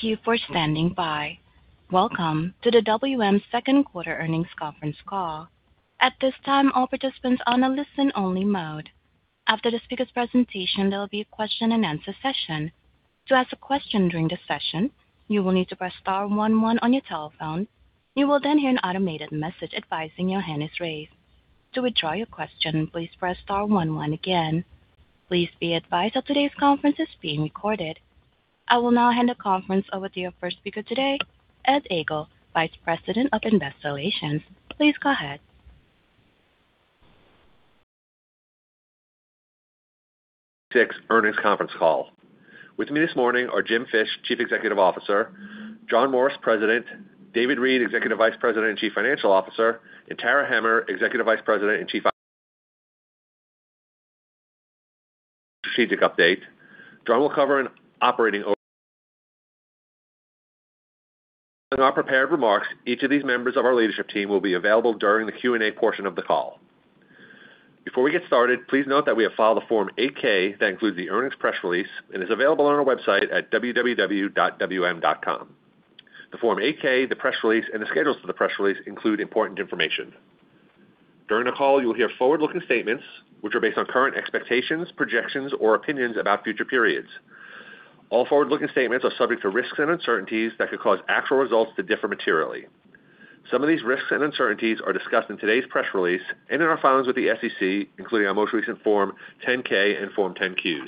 Thank you for standing by. Welcome to the WM second quarter earnings conference call. At this time, all participants are on a listen-only mode. After the speaker's presentation, there will be a question-and-answer session. To ask a question during the session, you will need to press star one one on your telephone. You will then hear an automated message advising your hand is raised. To withdraw your question, please press star one one again. Please be advised that today's conference is being recorded. I will now hand the conference over to your first speaker today, Ed Egl, Vice President of Investor Relations. Please go ahead. Six earnings conference call. With me this morning are Jim Fish, Chief Executive Officer, John Morris, President, David Reed, Executive Vice President and Chief Financial Officer, and Tara Hemmer, Executive Vice President and Chief Operating Officer Strategic update. John will cover an operating In our prepared remarks. Each of these members of our leadership team will be available during the Q&A portion of the call. Before we get started, please note that we have filed a Form 8-K that includes the earnings press release and is available on our website at www.wm.com. The Form 8-K, the press release, and the schedules for the press release include important information. During the call, you will hear forward-looking statements, which are based on current expectations, projections, or opinions about future periods. All forward-looking statements are subject to risks and uncertainties that could cause actual results to differ materially. Some of these risks and uncertainties are discussed in today's press release and in our filings with the SEC, including our most recent Form 10-K and Form 10-Q.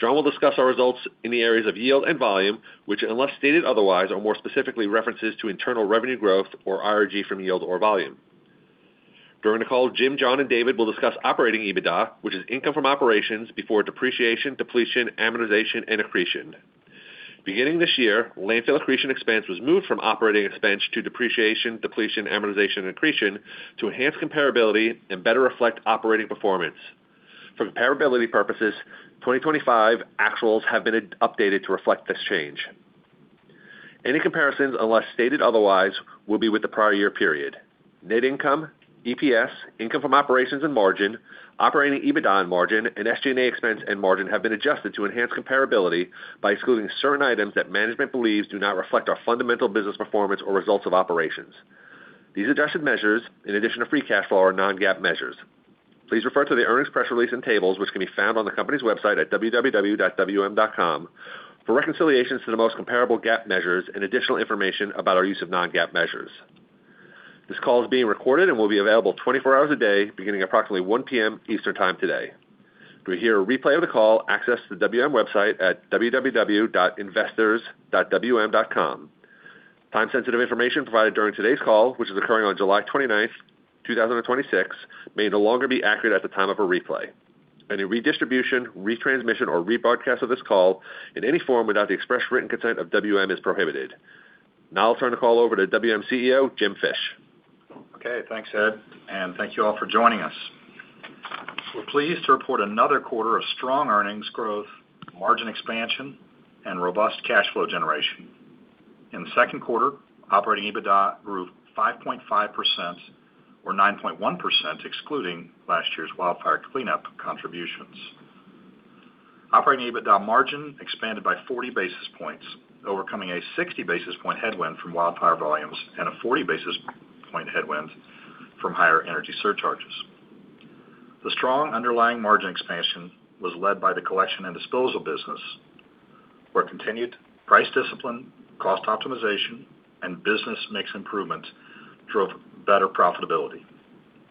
John will discuss our results in the areas of yield and volume, which, unless stated otherwise, are more specifically references to internal revenue growth or IRG from yield or volume. During the call, Jim, John, and David will discuss operating EBITDA, which is income from operations before depreciation, depletion, amortization, and accretion. Beginning this year, landfill accretion expense was moved from operating expense to depreciation, depletion, amortization, and accretion to enhance comparability and better reflect operating performance. For comparability purposes, 2025 actuals have been updated to reflect this change. Any comparisons, unless stated otherwise, will be with the prior year period. Net income, EPS, income from operations and margin, operating EBITDA and margin, and SG&A expense and margin have been adjusted to enhance comparability by excluding certain items that management believes do not reflect our fundamental business performance or results of operations. These adjusted measures, in addition to free cash flow, are non-GAAP measures. Please refer to the earnings press release and tables, which can be found on the company's website at www.wm.com for reconciliations to the most comparable GAAP measures and additional information about our use of non-GAAP measures. This call is being recorded and will be available 24 hours a day beginning approximately 1:00 P.M. Eastern Time today. To hear a replay of the call, access the WM website at www.investors.wm.com. Time-sensitive information provided during today's call, which is occurring on July 29th, 2026, may no longer be accurate at the time of a replay. Any redistribution, retransmission, or rebroadcast of this call in any form without the express written consent of WM is prohibited. I'll turn the call over to WM CEO, Jim Fish. Thanks Ed, thank you all for joining us. We're pleased to report another quarter of strong earnings growth, margin expansion, and robust cash flow generation. In the second quarter, operating EBITDA grew 5.5% or 9.1% excluding last year's wildfire cleanup contributions. Operating EBITDA margin expanded by 40 basis points, overcoming a 60 basis point headwind from wildfire volumes and a 40 basis point headwind from higher energy surcharges. The strong underlying margin expansion was led by the Collection and Disposal business, where continued price discipline, cost optimization, and business mix improvements drove better profitability.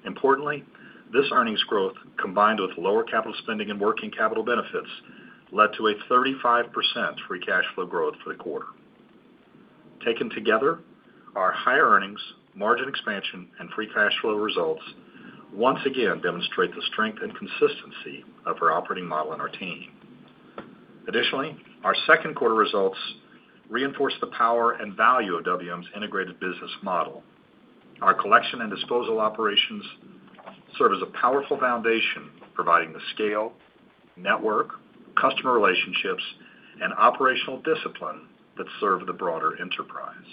Importantly, this earnings growth, combined with lower capital spending and working capital benefits, led to a 35% free cash flow growth for the quarter. Taken together, our higher earnings, margin expansion, and free cash flow results once again demonstrate the strength and consistency of our operating model and our team. Our second quarter results reinforce the power and value of WM's integrated business model. Our Collection and Disposal operations serve as a powerful foundation, providing the scale, network, customer relationships, and operational discipline that serve the broader enterprise.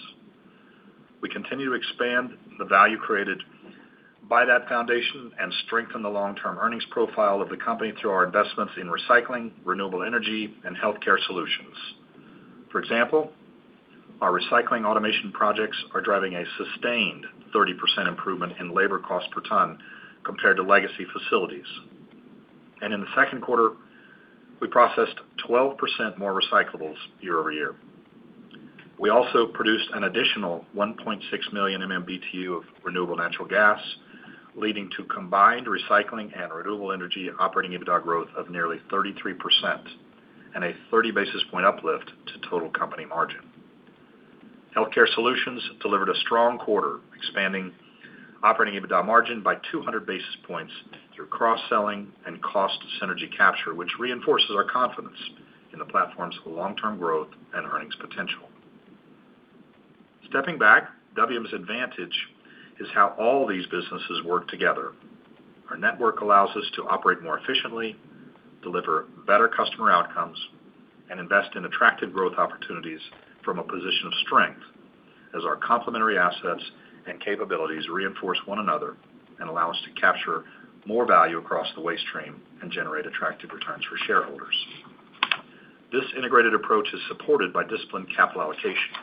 We continue to expand the value created by that foundation and strengthen the long-term earnings profile of the company through our investments in recycling, renewable energy, and Healthcare Solutions. For example, our recycling automation projects are driving a sustained 30% improvement in labor cost per ton compared to legacy facilities. In the second quarter, we processed 12% more recyclables year-over-year. We also produced an additional 1.6 million MMBtu of renewable natural gas, leading to combined recycling and renewable energy operating EBITDA growth of nearly 33% and a 30 basis point uplift to total company margin. Healthcare Solutions delivered a strong quarter, expanding operating EBITDA margin by 200 basis points through cross-selling and cost synergy capture, which reinforces our confidence in the platform's long-term growth and earnings potential. Stepping back, WM's advantage is how all these businesses work together. Our network allows us to operate more efficiently, deliver better customer outcomes, and invest in attractive growth opportunities from a position of strength Our complementary assets and capabilities reinforce one another and allow us to capture more value across the waste stream and generate attractive returns for shareholders. This integrated approach is supported by disciplined capital allocation.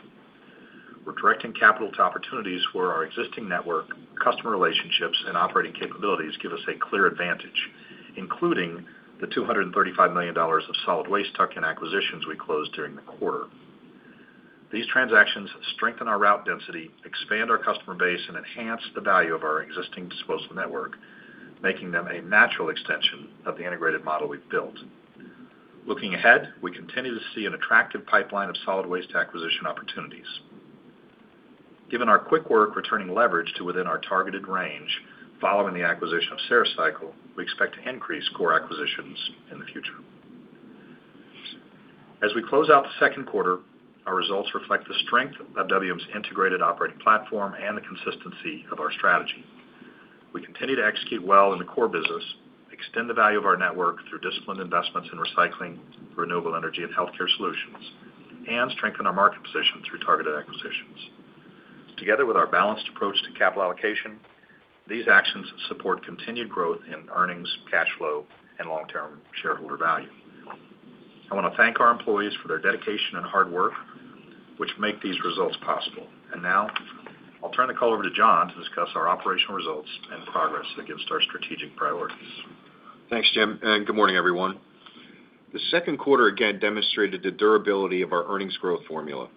We're directing capital to opportunities where our existing network, customer relationships, and operating capabilities give us a clear advantage, including the $235 million of solid waste tuck-in acquisitions we closed during the quarter. These transactions strengthen our route density, expand our customer base, and enhance the value of our existing disposal network, making them a natural extension of the integrated model we've built. Looking ahead, we continue to see an attractive pipeline of solid waste acquisition opportunities. Given our quick work returning leverage to within our targeted range, following the acquisition of Stericycle, we expect to increase core acquisitions in the future. As we close out the second quarter, our results reflect the strength of WM's integrated operating platform and the consistency of our strategy. We continue to execute well in the core business, extend the value of our network through disciplined investments in recycling, renewable energy, and healthcare solutions, and strengthen our market position through targeted acquisitions. Together with our balanced approach to capital allocation, these actions support continued growth in earnings, cash flow, and long-term shareholder value. I want to thank our employees for their dedication and hard work, which make these results possible. Now I'll turn the call over to John to discuss our operational results and progress against our strategic priorities. Thanks, Jim, and good morning, everyone. The second quarter again demonstrated the durability of our earnings growth formula.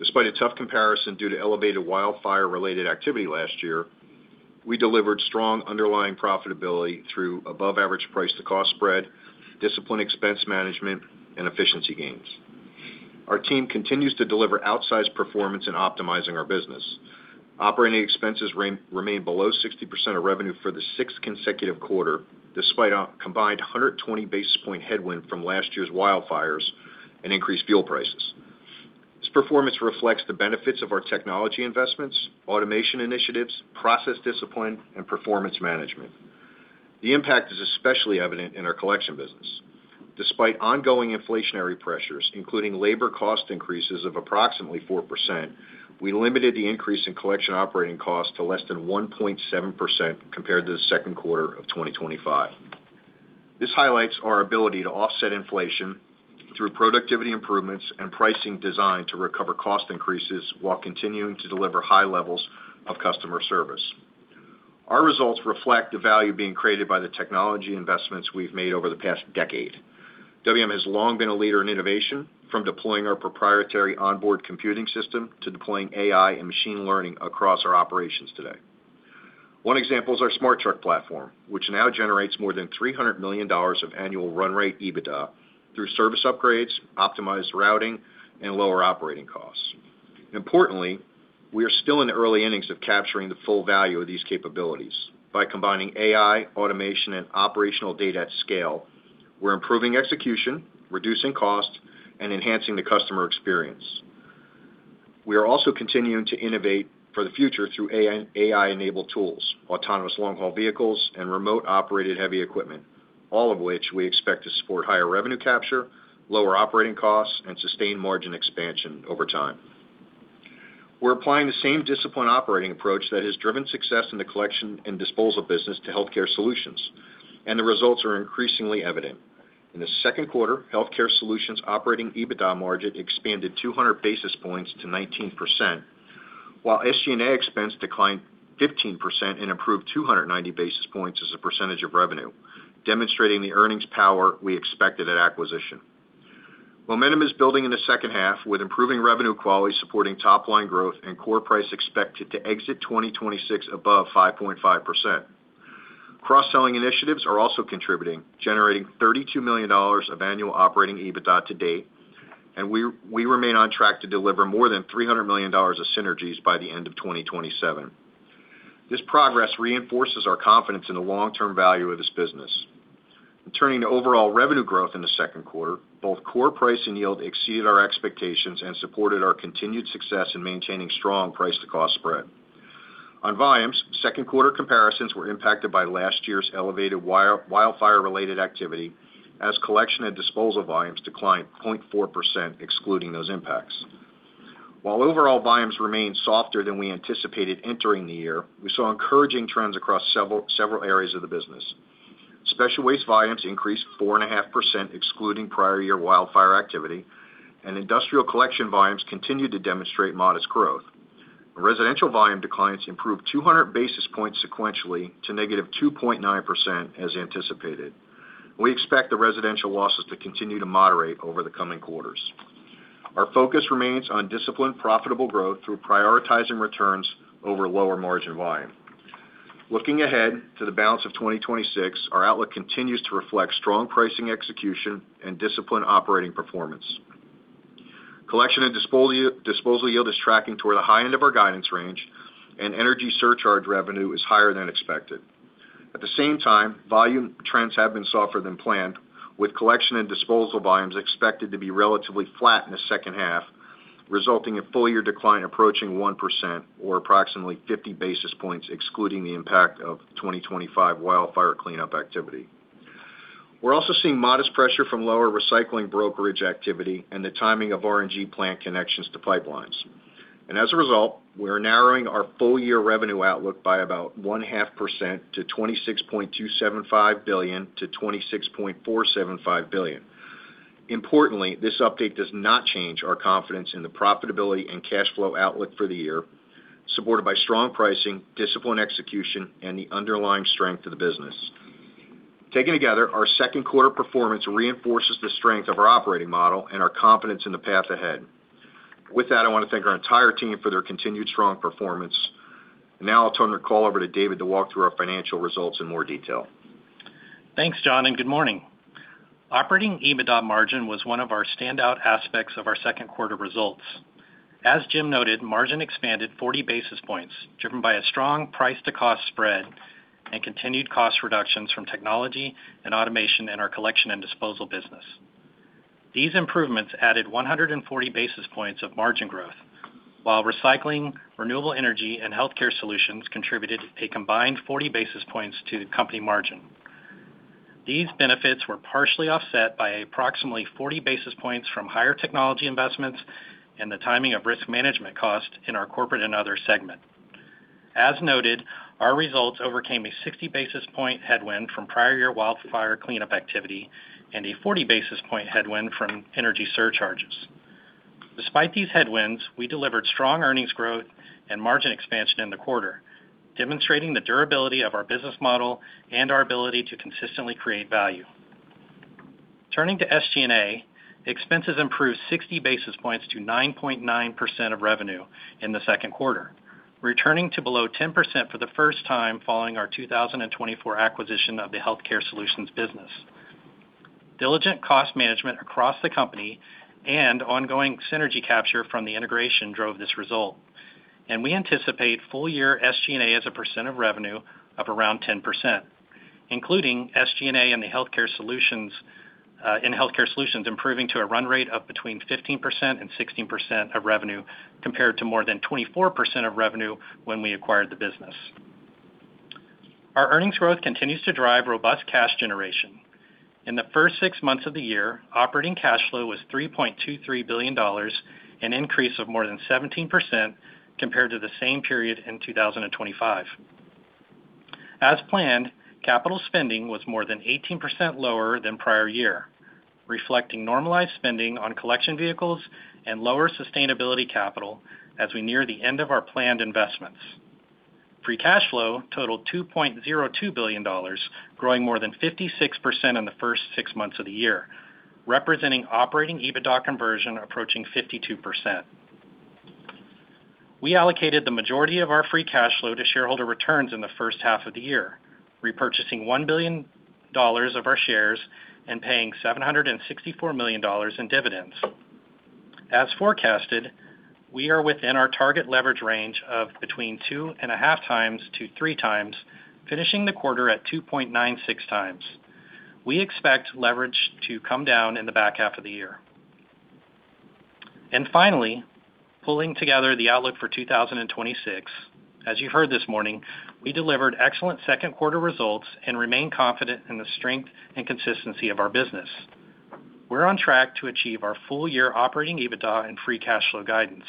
Despite a tough comparison due to elevated wildfire-related activity last year, we delivered strong underlying profitability through above average price to cost spread, disciplined expense management, and efficiency gains. Our team continues to deliver outsized performance in optimizing our business. Operating expenses remain below 60% of revenue for the sixth consecutive quarter, despite a combined 120 basis point headwind from last year's wildfires and increased fuel prices. This performance reflects the benefits of our technology investments, automation initiatives, process discipline, and performance management. The impact is especially evident in our collection business. Despite ongoing inflationary pressures, including labor cost increases of approximately 4%, we limited the increase in collection operating costs to less than 1.7% compared to the second quarter of 2025. This highlights our ability to offset inflation through productivity improvements and pricing designed to recover cost increases while continuing to deliver high levels of customer service. Our results reflect the value being created by the technology investments we've made over the past decade. WM has long been a leader in innovation from deploying our proprietary onboard computing system to deploying AI and machine learning across our operations today. One example is our WM Smart Truck platform, which now generates more than $300 million of annual run rate operating EBITDA through service upgrades, optimized routing, and lower operating costs. Importantly, we are still in the early innings of capturing the full value of these capabilities. By combining AI, automation, and operational data at scale, we're improving execution, reducing cost, and enhancing the customer experience. We are also continuing to innovate for the future through AI-enabled tools, autonomous long-haul vehicles, and remote-operated heavy equipment, all of which we expect to support higher revenue capture, lower operating costs, and sustained margin expansion over time. We're applying the same disciplined operating approach that has driven success in the Collection and Disposal business to Healthcare Solutions, and the results are increasingly evident. In the second quarter, Healthcare Solutions operating EBITDA margin expanded 200 basis points to 19%, while SG&A expense declined 15% and improved 290 basis points as a percentage of revenue, demonstrating the earnings power we expected at acquisition. Momentum is building in the second half with improving revenue quality supporting top-line growth and core price expected to exit 2026 above 5.5%. Cross-selling initiatives are also contributing, generating $32 million of annual operating EBITDA to date, and we remain on track to deliver more than $300 million of synergies by the end of 2027. This progress reinforces our confidence in the long-term value of this business. Turning to overall revenue growth in the second quarter, both core price and yield exceeded our expectations and supported our continued success in maintaining strong price to cost spread. On volumes, second quarter comparisons were impacted by last year's elevated wildfire-related activity as Collection and Disposal volumes declined 0.4%, excluding those impacts. While overall volumes remained softer than we anticipated entering the year, we saw encouraging trends across several areas of the business. Special waste volumes increased 4.5%, excluding prior year wildfire activity, and industrial collection volumes continued to demonstrate modest growth. Residential volume declines improved 200 basis points sequentially to -2.9% as anticipated. We expect the residential losses to continue to moderate over the coming quarters. Our focus remains on disciplined, profitable growth through prioritizing returns over lower margin volume. Looking ahead to the balance of 2026, our outlook continues to reflect strong pricing execution and disciplined operating performance. Collection and Disposal yield is tracking toward the high end of our guidance range, and energy surcharge revenue is higher than expected. At the same time, volume trends have been softer than planned, with Collection and Disposal volumes expected to be relatively flat in the second half, resulting in full year decline approaching 1% or approximately 50 basis points excluding the impact of 2025 wildfire cleanup activity. We're also seeing modest pressure from lower recycling brokerage activity and the timing of RNG plant connections to pipelines. As a result, we are narrowing our full year revenue outlook by about 1.5% to $26.275 billion-$26.475 billion. Importantly, this update does not change our confidence in the profitability and cash flow outlook for the year, supported by strong pricing, disciplined execution, and the underlying strength of the business. Taken together, our second quarter performance reinforces the strength of our operating model and our confidence in the path ahead. With that, I want to thank our entire team for their continued strong performance. Now I'll turn the call over to David to walk through our financial results in more detail. Thanks, John, and good morning. Operating EBITDA margin was one of our standout aspects of our second quarter results. As Jim noted, margin expanded 40 basis points, driven by a strong price to cost spread and continued cost reductions from technology and automation in our Collection and Disposal business. These improvements added 140 basis points of margin growth, while recycling, renewable energy, and Healthcare Solutions contributed a combined 40 basis points to company margin. These benefits were partially offset by approximately 40 basis points from higher technology investments and the timing of risk management cost in our corporate and other segment. As noted, our results overcame a 60 basis point headwind from prior year wildfire cleanup activity and a 40 basis point headwind from energy surcharges. Despite these headwinds, we delivered strong earnings growth and margin expansion in the quarter, demonstrating the durability of our business model and our ability to consistently create value. Turning to SG&A, expenses improved 60 basis points to 9.9% of revenue in the second quarter, returning to below 10% for the first time following our 2024 acquisition of the Healthcare Solutions business. Diligent cost management across the company and ongoing synergy capture from the integration drove this result. We anticipate full year SG&A as a percent of revenue of around 10%, including SG&A in Healthcare Solutions improving to a run rate of between 15% and 16% of revenue, compared to more than 24% of revenue when we acquired the business. Our earnings growth continues to drive robust cash generation. In the first six months of the year, operating cash flow was $3.23 billion, an increase of more than 17% compared to the same period in 2025. As planned, capital spending was more than 18% lower than prior year, reflecting normalized spending on collection vehicles and lower sustainability capital as we near the end of our planned investments. Free cash flow totaled $2.02 billion, growing more than 56% in the first six months of the year, representing operating EBITDA conversion approaching 52%. We allocated the majority of our free cash flow to shareholder returns in the first half of the year, repurchasing $1 billion of our shares and paying $764 million in dividends. As forecasted, we are within our target leverage range of between 2.5x-3x, finishing the quarter at 2.96x. We expect leverage to come down in the back half of the year. Finally, pulling together the outlook for 2026, as you heard this morning, we delivered excellent second quarter results and remain confident in the strength and consistency of our business. We're on track to achieve our full year operating EBITDA and free cash flow guidance.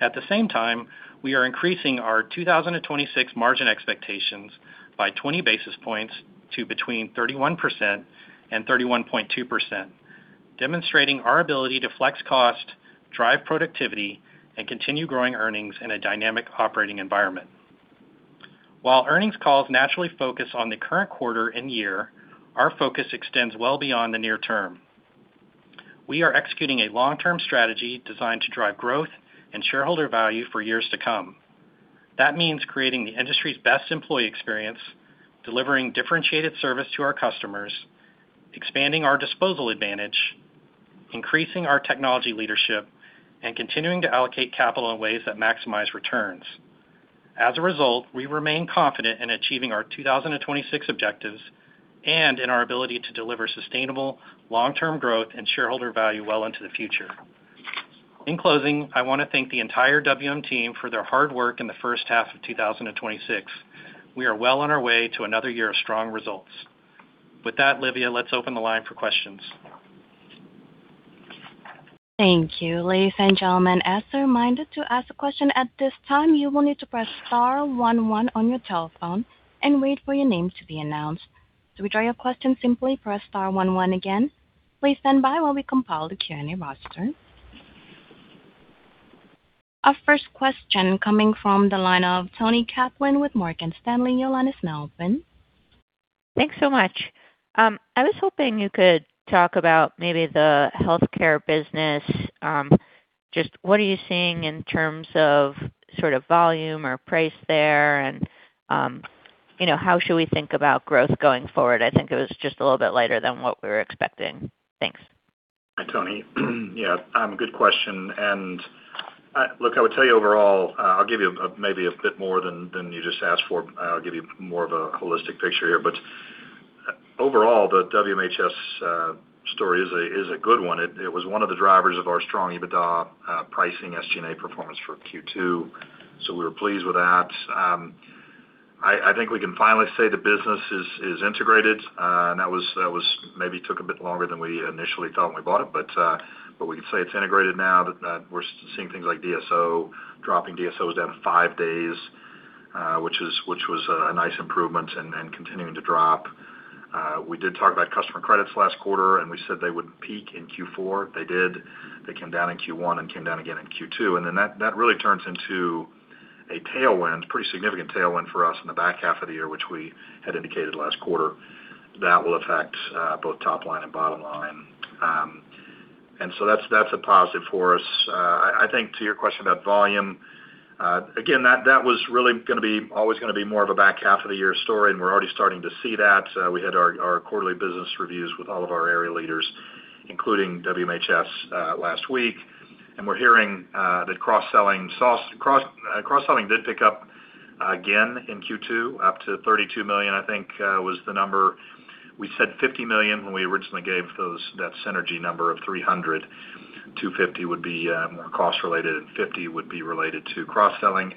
At the same time, we are increasing our 2026 margin expectations by 20 basis points to between 31% and 31.2%, demonstrating our ability to flex cost, drive productivity, and continue growing earnings in a dynamic operating environment. While earnings calls naturally focus on the current quarter and year, our focus extends well beyond the near term. We are executing a long-term strategy designed to drive growth and shareholder value for years to come. That means creating the industry's best employee experience, delivering differentiated service to our customers, expanding our disposal advantage, increasing our technology leadership, and continuing to allocate capital in ways that maximize returns. As a result, we remain confident in achieving our 2026 objectives and in our ability to deliver sustainable long-term growth and shareholder value well into the future. In closing, I want to thank the entire WM team for their hard work in the first half of 2026. We are well on our way to another year of strong results. With that, Livia, let's open the line for questions. Thank you. Ladies and gentlemen, as a reminder, to ask a question at this time, you will need to press star one one on your telephone and wait for your name to be announced. To withdraw your question, simply press star one one again. Please stand by while we compile the Q&A roster. Our first question coming from the line of Toni Kaplan with Morgan Stanley. Your line is now open. Thanks so much. I was hoping you could talk about maybe the healthcare business. Just, what are you seeing in terms of sort of volume or price there and, you know, how should we think about growth going forward? I think it was just a little bit later than what we were expecting. Thanks. Hi, Toni. Yeah, good question. Look, I would tell you overall, I'll give you maybe a bit more than you just asked for. I'll give you more of a holistic picture here. Overall, the WMHS story is a good one. It was one of the drivers of our strong EBITDA pricing SG&A performance for Q2. We were pleased with that. I think we can finally say the business is integrated, and that maybe took a bit longer than we initially thought when we bought it. We can say it's integrated now that we're seeing things like DSO dropping. DSO is down to five days, which was a nice improvement and continuing to drop. We did talk about customer credits last quarter, and we said they would peak in Q4. They did. They came down in Q1 and came down again in Q2. That really turns into a pretty significant tailwind for us in the back half of the year, which we had indicated last quarter. That will affect both top line and bottom line. That's a positive for us. I think to your question about volume, again, that was really always going to be more of a back half of the year story, we're already starting to see that. We had our quarterly business reviews with all of our area leaders, including WMHS, last week. We're hearing that cross-selling did pick up again in Q2, up to $32 million, I think was the number. We said $50 million when we originally gave that synergy number of $300 million. $250 million would be more cost related, $50 million would be related to cross-selling,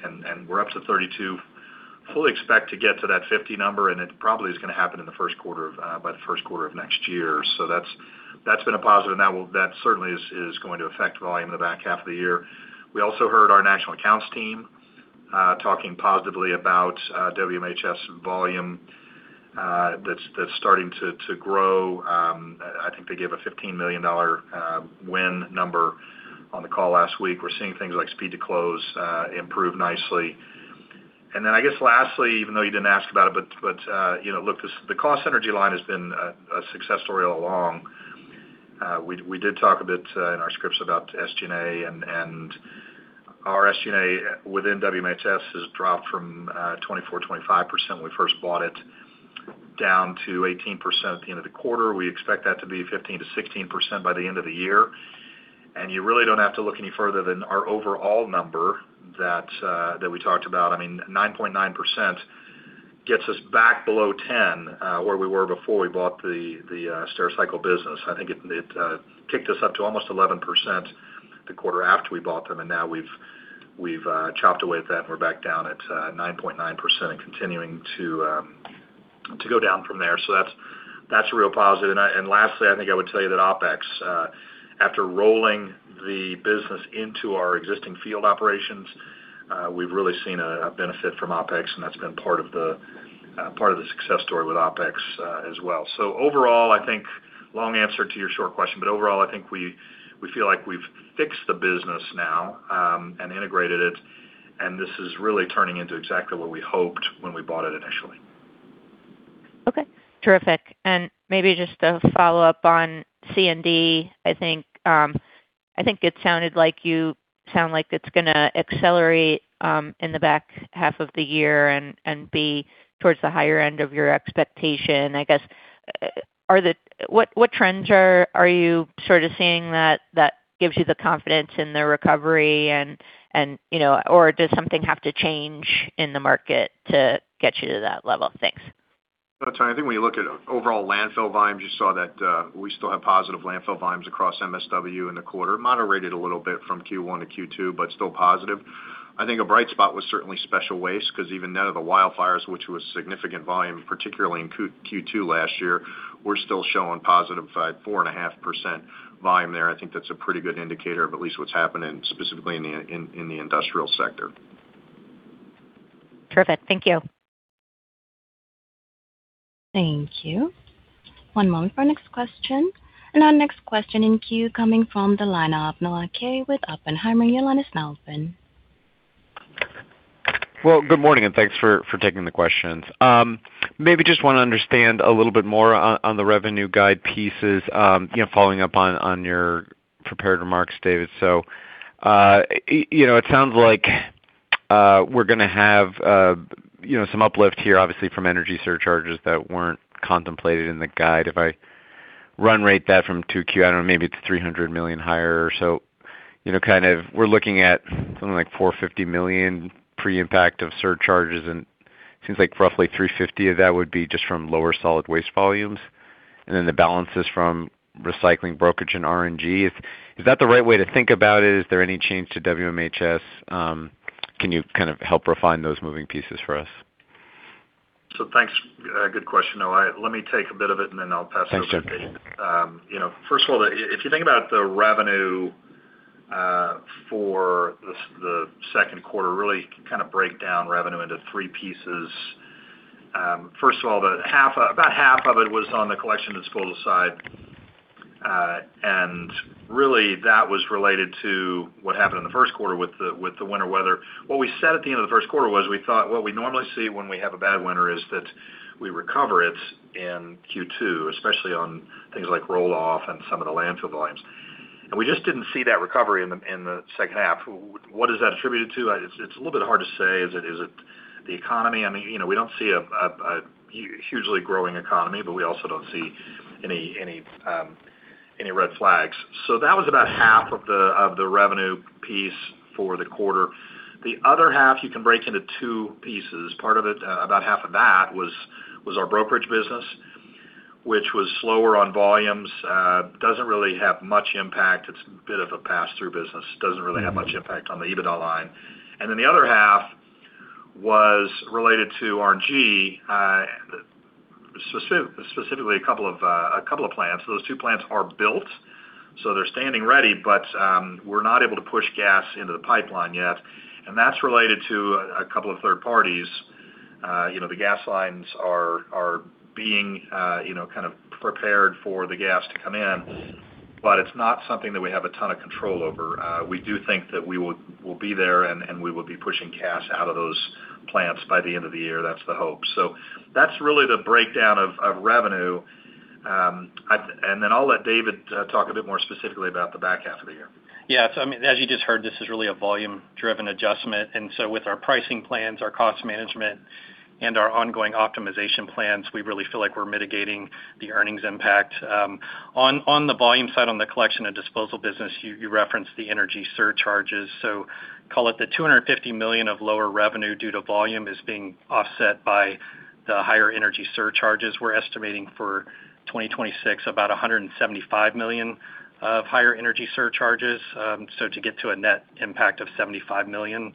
we're up to $32 million. Fully expect to get to that $50 million number, it probably is going to happen by the first quarter of next year. That's been a positive, that certainly is going to affect volume in the back half of the year. We also heard our national accounts team talking positively about WMHS volume that's starting to grow. I think they gave a $15 million win number on the call last week. We're seeing things like speed to close improve nicely. Lastly, even though you didn't ask about it, look, the cost synergy line has been a success story all along. We did talk a bit in our scripts about SG&A, our SG&A within WMHS has dropped from 24%-25% when we first bought it down to 18% at the end of the quarter. We expect that to be 15%-16% by the end of the year. You really don't have to look any further than our overall number that we talked about. I mean, 9.9% gets us back below 10%, where we were before we bought the Stericycle business. I think it kicked us up to almost 11% the quarter after we bought them, now we've chopped away at that and we're back down at 9.9% and continuing to go down from there. That's a real positive. Lastly, I think I would tell you that OpEx, after rolling the business into our existing field operations, we've really seen a benefit from OpEx, that's been part of the success story with OpEx as well. Overall, I think long answer to your short question, overall, I think we feel like we've fixed the business now and integrated it, this is really turning into exactly what we hoped when we bought it initially. Okay, terrific. Maybe just to follow up on C&D, I think it sounded like you sound like it's going to accelerate in the back half of the year and be towards the higher end of your expectation. What trends are you sort of seeing that gives you the confidence in the recovery? Does something have to change in the market to get you to that level? Thanks. No, Toni, I think when you look at overall landfill volumes, you saw that we still have positive landfill volumes across MSW in the quarter. Moderated a little bit from Q1-Q2, but still positive. I think a bright spot was certainly special waste, because even down at the wildfires, which was significant volume, particularly in Q2 last year, we're still showing positive 4.5% volume there. I think that's a pretty good indicator of at least what's happening specifically in the industrial sector. Perfect. Thank you. Thank you. One moment for our next question. Our next question in queue coming from the line of Noah Kaye with Oppenheimer. Your line is now open. Well, good morning, and thanks for taking the questions. Maybe just want to understand a little bit more on the revenue guide pieces, following up on your prepared remarks, David. It sounds like we're going to have some uplift here, obviously, from energy surcharges that weren't contemplated in the guide. If I run rate that from 2Q, I don't know, maybe it's $300 million higher or so. We're looking at something like $450 million pre-impact of surcharges, and it seems like roughly $350 of that would be just from lower solid waste volumes. Then the balance is from recycling brokerage and RNG. Is that the right way to think about it? Is there any change to WMHS? Can you kind of help refine those moving pieces for us? Thanks. Good question, Noah. Let me take a bit of it, and then I'll pass it over to David. Thanks, Jim. First of all, if you think about the revenue for the second quarter, really kind of break down revenue into three pieces. First of all, about half of it was on the Collection and Disposal side. Really that was related to what happened in the first quarter with the winter weather. What we said at the end of the first quarter was we thought what we normally see when we have a bad winter is that we recover it in Q2, especially on things like roll-off and some of the landfill volumes. We just didn't see that recovery in the second half. What is that attributed to? It's a little bit hard to say. Is it the economy? I mean, we don't see a hugely growing economy, but we also don't see any red flags. That was about half of the revenue piece for the quarter. The other half you can break into two pieces. Part of it, about half of that was our brokerage business which was slower on volumes, doesn't really have much impact. It's a bit of a pass-through business. Doesn't really have much impact on the EBITDA line. The other half was related to RNG, specifically a couple of plants. Those two plants are built, so they're standing ready, but we're not able to push gas into the pipeline yet. That's related to a couple of third parties. The gas lines are being prepared for the gas to come in, but it's not something that we have a ton of control over. We do think that we'll be there, and we will be pushing gas out of those plants by the end of the year. That's the hope. That's really the breakdown of revenue. I'll let David talk a bit more specifically about the back half of the year. As you just heard, this is really a volume-driven adjustment. With our pricing plans, our cost management, and our ongoing optimization plans, we really feel like we're mitigating the earnings impact. On the volume side, on the Collection and Disposal business, you referenced the energy surcharges. Call it the $250 million of lower revenue due to volume is being offset by the higher energy surcharges. We're estimating for 2026, about $175 million of higher energy surcharges, to get to a net impact of $75 million.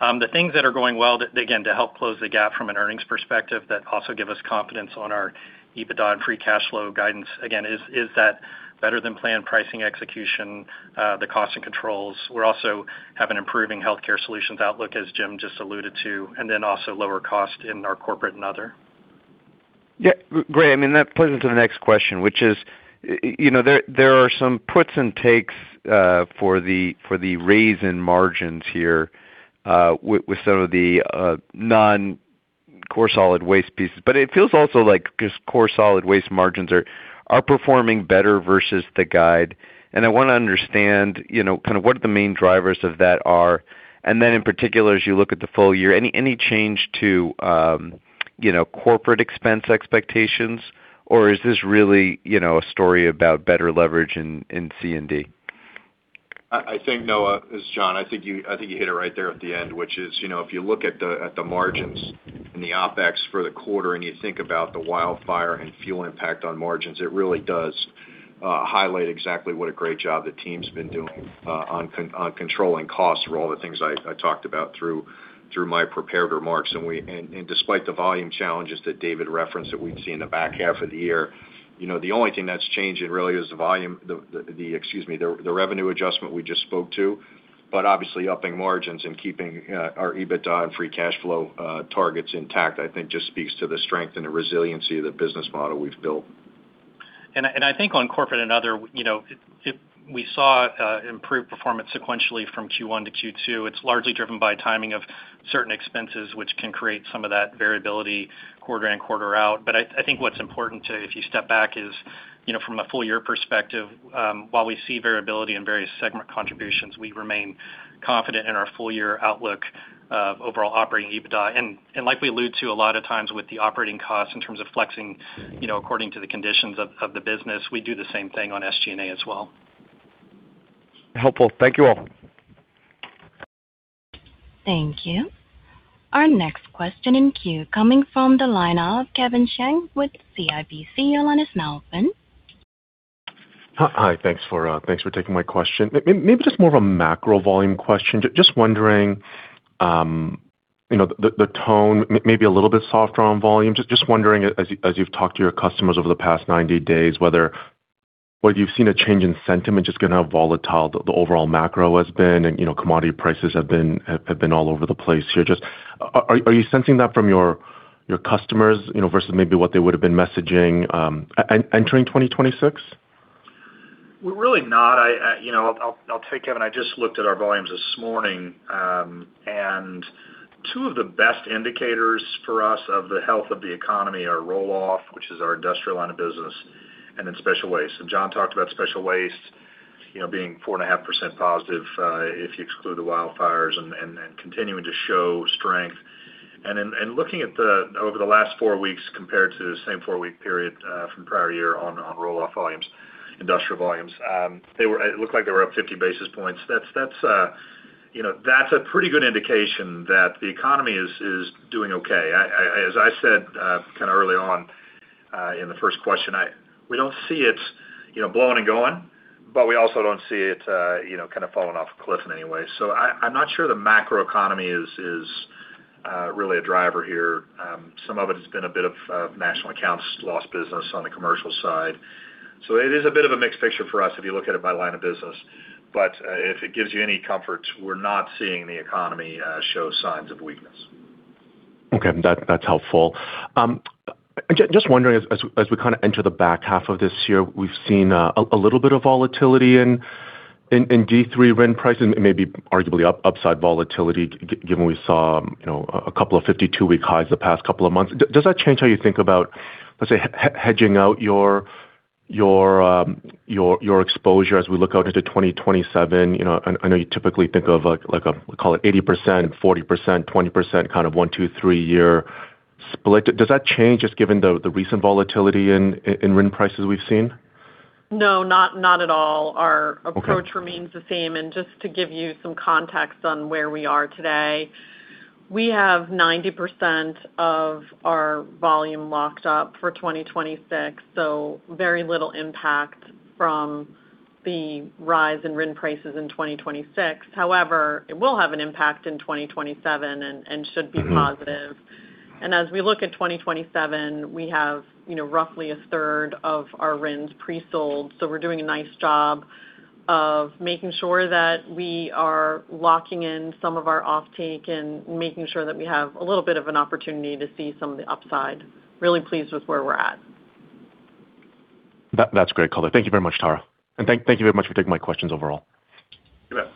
The things that are going well, again, to help close the gap from an earnings perspective, that also give us confidence on our EBITDA and free cash flow guidance, again, is that better-than-planned pricing execution, the cost and controls. We also have an improving Healthcare Solutions outlook, as Jim just alluded to, and then also lower cost in our corporate and other. Great. That plays into the next question, which is, there are some puts and takes for the raise in margins here with some of the non-core solid waste pieces. It feels also like because core solid waste margins are outperforming better versus the guide. I want to understand what the main drivers of that are. In particular, as you look at the full year, any change to corporate expense expectations, or is this really a story about better leverage in C&D? I think Noah, is John, I think you hit it right there at the end, which is, if you look at the margins and the OpEx for the quarter and you think about the wildfire and fuel impact on margins, it really does highlight exactly what a great job the team's been doing on controlling costs for all the things I talked about through my prepared remarks. Despite the volume challenges that David referenced that we'd see in the back half of the year, the only thing that's changing really is the revenue adjustment we just spoke to. Obviously upping margins and keeping our EBITDA and free cash flow targets intact, I think, just speaks to the strength and the resiliency of the business model we've built. I think on corporate and other, we saw improved performance sequentially from Q1-Q2. It's largely driven by timing of certain expenses, which can create some of that variability quarter in, quarter out. I think what's important, too, if you step back, is from a full-year perspective, while we see variability in various segment contributions, we remain confident in our full-year outlook of overall operating EBITDA. Like we allude to a lot of times with the operating costs in terms of flexing according to the conditions of the business, we do the same thing on SG&A as well. Helpful. Thank you all. Thank you. Our next question in queue coming from the line of Kevin Chiang with CIBC. Your line is now open. Hi. Thanks for taking my question. Maybe just more of a macro volume question. Just wondering, the tone may be a little bit softer on volume. Just wondering, as you've talked to your customers over the past 90 days, whether you've seen a change in sentiment, just given how volatile the overall macro has been and commodity prices have been all over the place here. Are you sensing that from your customers versus maybe what they would've been messaging entering 2026? We're really not. I'll tell you, Kevin, I just looked at our volumes this morning, and two of the best indicators for us of the health of the economy are roll-off, which is our industrial line of business, and then special waste. John talked about special waste being 4.5%+ if you exclude the wildfires, and continuing to show strength. Looking over the last four weeks compared to the same four-week period from prior year on roll-off volumes, industrial volumes, it looked like they were up 50 basis points. That's a pretty good indication that the economy is doing okay. As I said kind of early on in the first question, we don't see it blowing and going, but we also don't see it falling off a cliff in any way. I'm not sure the macroeconomy is really a driver here. Some of it has been a bit of national accounts lost business on the commercial side. It is a bit of a mixed picture for us if you look at it by line of business. If it gives you any comfort, we're not seeing the economy show signs of weakness. Okay. That's helpful. Just wondering, as we kind of enter the back half of this year, we've seen a little bit of volatility in D3 RIN prices, maybe arguably upside volatility, given we saw a couple of 52-week highs the past couple of months. Does that change how you think about, let's say, hedging out your exposure as we look out into 2027? I know you typically think of, call it 80%, 40%, 20%, kind of one, two, three-year split. Does that change just given the recent volatility in RIN prices we've seen? No, not at all. Our approach remains the same. Just to give you some context on where we are today, we have 90% of our volume locked up for 2026, so very little impact from the rise in RIN prices in 2026. However, it will have an impact in 2027 and should be positive. As we look at 2027, we have roughly 1/3 of our RINs pre-sold, so we're doing a nice job of making sure that we are locking in some of our offtake and making sure that we have a little bit of an opportunity to see some of the upside. Really pleased with where we're at. That's great color. Thank you very much, Tara, and thank you very much for taking my questions overall. You bet.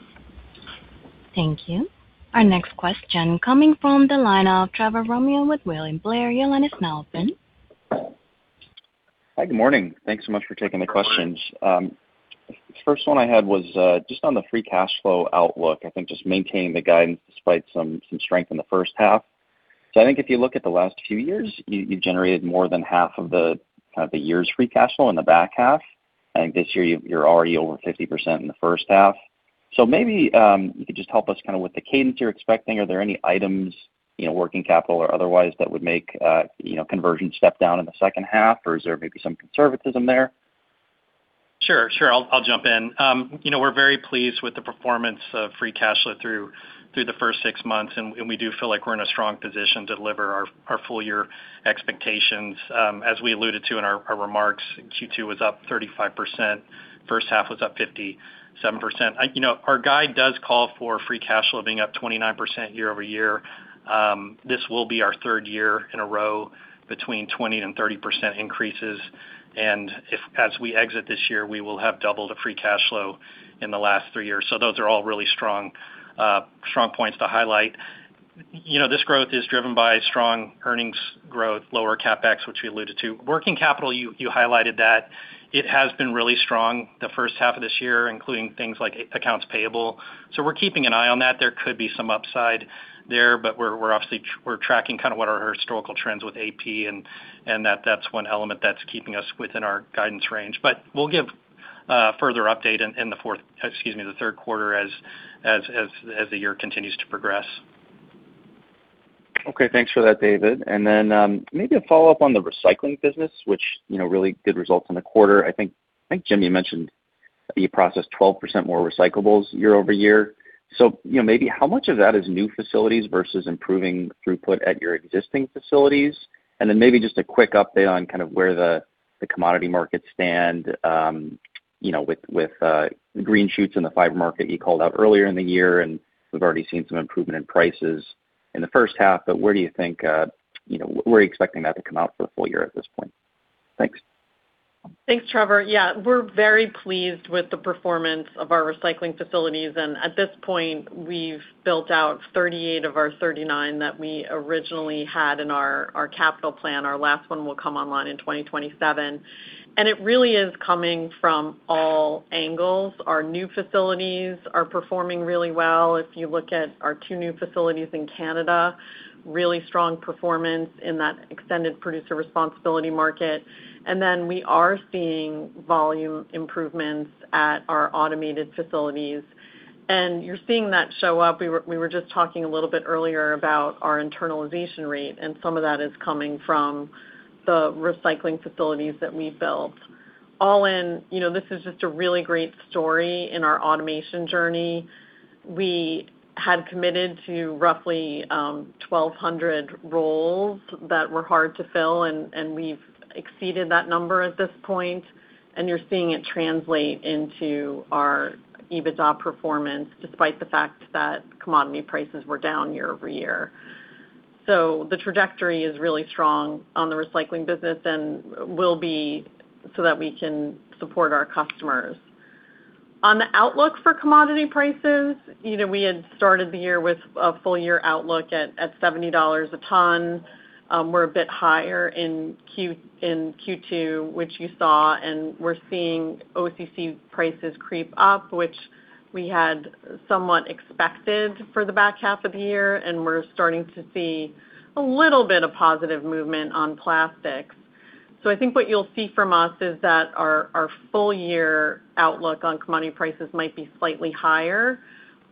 Thank you. Our next question coming from the line of Trevor Romeo with William Blair. Your line is now open. Hi. Good morning. Thanks so much for taking the questions. The first one I had was just on the free cash flow outlook, I think just maintaining the guidance despite some strength in the first half. I think if you look at the last few years, you've generated more than half of the year's free cash flow in the back half. I think this year you're already over 50% in the first half. Maybe you could just help us with the cadence you're expecting. Are there any items, working capital or otherwise, that would make conversion step down in the second half? Or is there maybe some conservatism there? Sure. I'll jump in. We're very pleased with the performance of free cash flow through the first six months, and we do feel like we're in a strong position to deliver our full year expectations. As we alluded to in our remarks, Q2 was up 35%, first half was up 57%. Our guide does call for free cash flow being up 29% year-over-year. This will be our third year in a row between 20% and 30% increases. As we exit this year, we will have doubled the free cash flow in the last three years. Those are all really strong points to highlight. This growth is driven by strong earnings growth, lower CapEx, which we alluded to. Working capital, you highlighted that it has been really strong the first half of this year, including things like accounts payable. We're keeping an eye on that. There could be some upside there, but we're tracking what are our historical trends with AP, and that's one element that's keeping us within our guidance range. We'll give a further update in the third quarter as the year continues to progress. Okay. Thanks for that, David. Maybe a follow-up on the recycling business, which really good results in the quarter. I think, Jim, you mentioned that you processed 12% more recyclables year-over-year. Maybe how much of that is new facilities versus improving throughput at your existing facilities? Maybe just a quick update on where the commodity markets stand with the green shoots in the fiber market you called out earlier in the year, and we've already seen some improvement in prices in the first half, but where are you expecting that to come out for the full year at this point? Thanks. Thanks, Trevor. Yeah, we're very pleased with the performance of our recycling facilities. At this point, we've built out 38 of our 39 that we originally had in our capital plan. Our last one will come online in 2027. It really is coming from all angles. Our new facilities are performing really well. If you look at our two new facilities in Canada, really strong performance in that extended producer responsibility market. We are seeing volume improvements at our automated facilities. You're seeing that show up. We were just talking a little bit earlier about our internalization rate, and some of that is coming from the recycling facilities that we built. All in, this is just a really great story in our automation journey. We had committed to roughly 1,200 roles that were hard to fill. We've exceeded that number at this point, and you're seeing it translate into our EBITDA performance, despite the fact that commodity prices were down year-over-year. The trajectory is really strong on the recycling business and will be so that we can support our customers. On the outlook for commodity prices, we had started the year with a full year outlook at $70 a ton. We're a bit higher in Q2, which you saw. We're seeing OCC prices creep up, which we had somewhat expected for the back half of the year, and we're starting to see a little bit of positive movement on plastics. I think what you'll see from us is that our full year outlook on commodity prices might be slightly higher,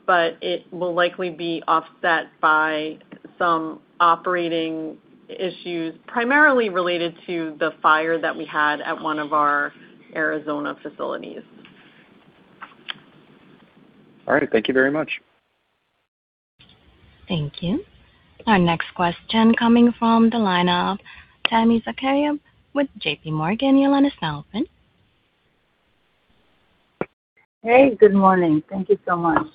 but it will likely be offset by some operating issues, primarily related to the fire that we had at one of our Arizona facilities. All right. Thank you very much. Thank you. Our next question coming from the line of Tami Zakaria with JPMorgan. Your line is now open. Hey, good morning. Thank you so much.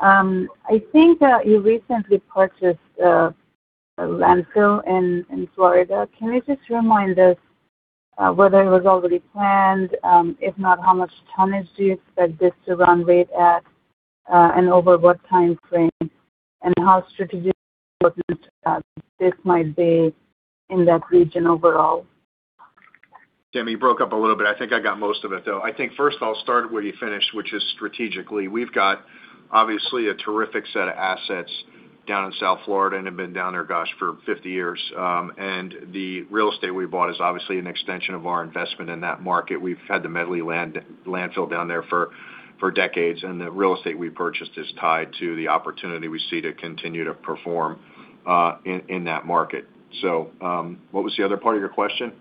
I think that you recently purchased a landfill in Florida. Can you just remind us whether it was already planned? If not, how much tonnage do you expect this to run rate at, and over what time frame? How strategic this might be in that region overall. Tami, you broke up a little bit. I think I got most of it, though. I think, first of all, start where you finished, which is strategically. We've got, obviously, a terrific set of assets Down in South Florida and have been down there, gosh, for 50 years. The real estate we bought is obviously an extension of our investment in that market. We've had the Medley Landfill down there for decades, and the real estate we purchased is tied to the opportunity we see to continue to perform in that market. What was the other part of your question?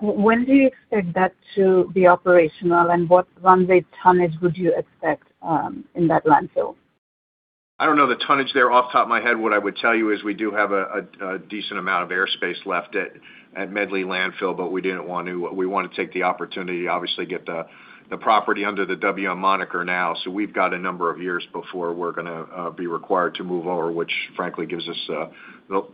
When do you expect that to be operational and what runway tonnage would you expect in that landfill? I don't know the tonnage there off top of my head. What I would tell you is we do have a decent amount of airspace left at Medley Landfill, we want to take the opportunity, obviously, get the property under the WM moniker now. We've got a number of years before we're going to be required to move over, which frankly gives us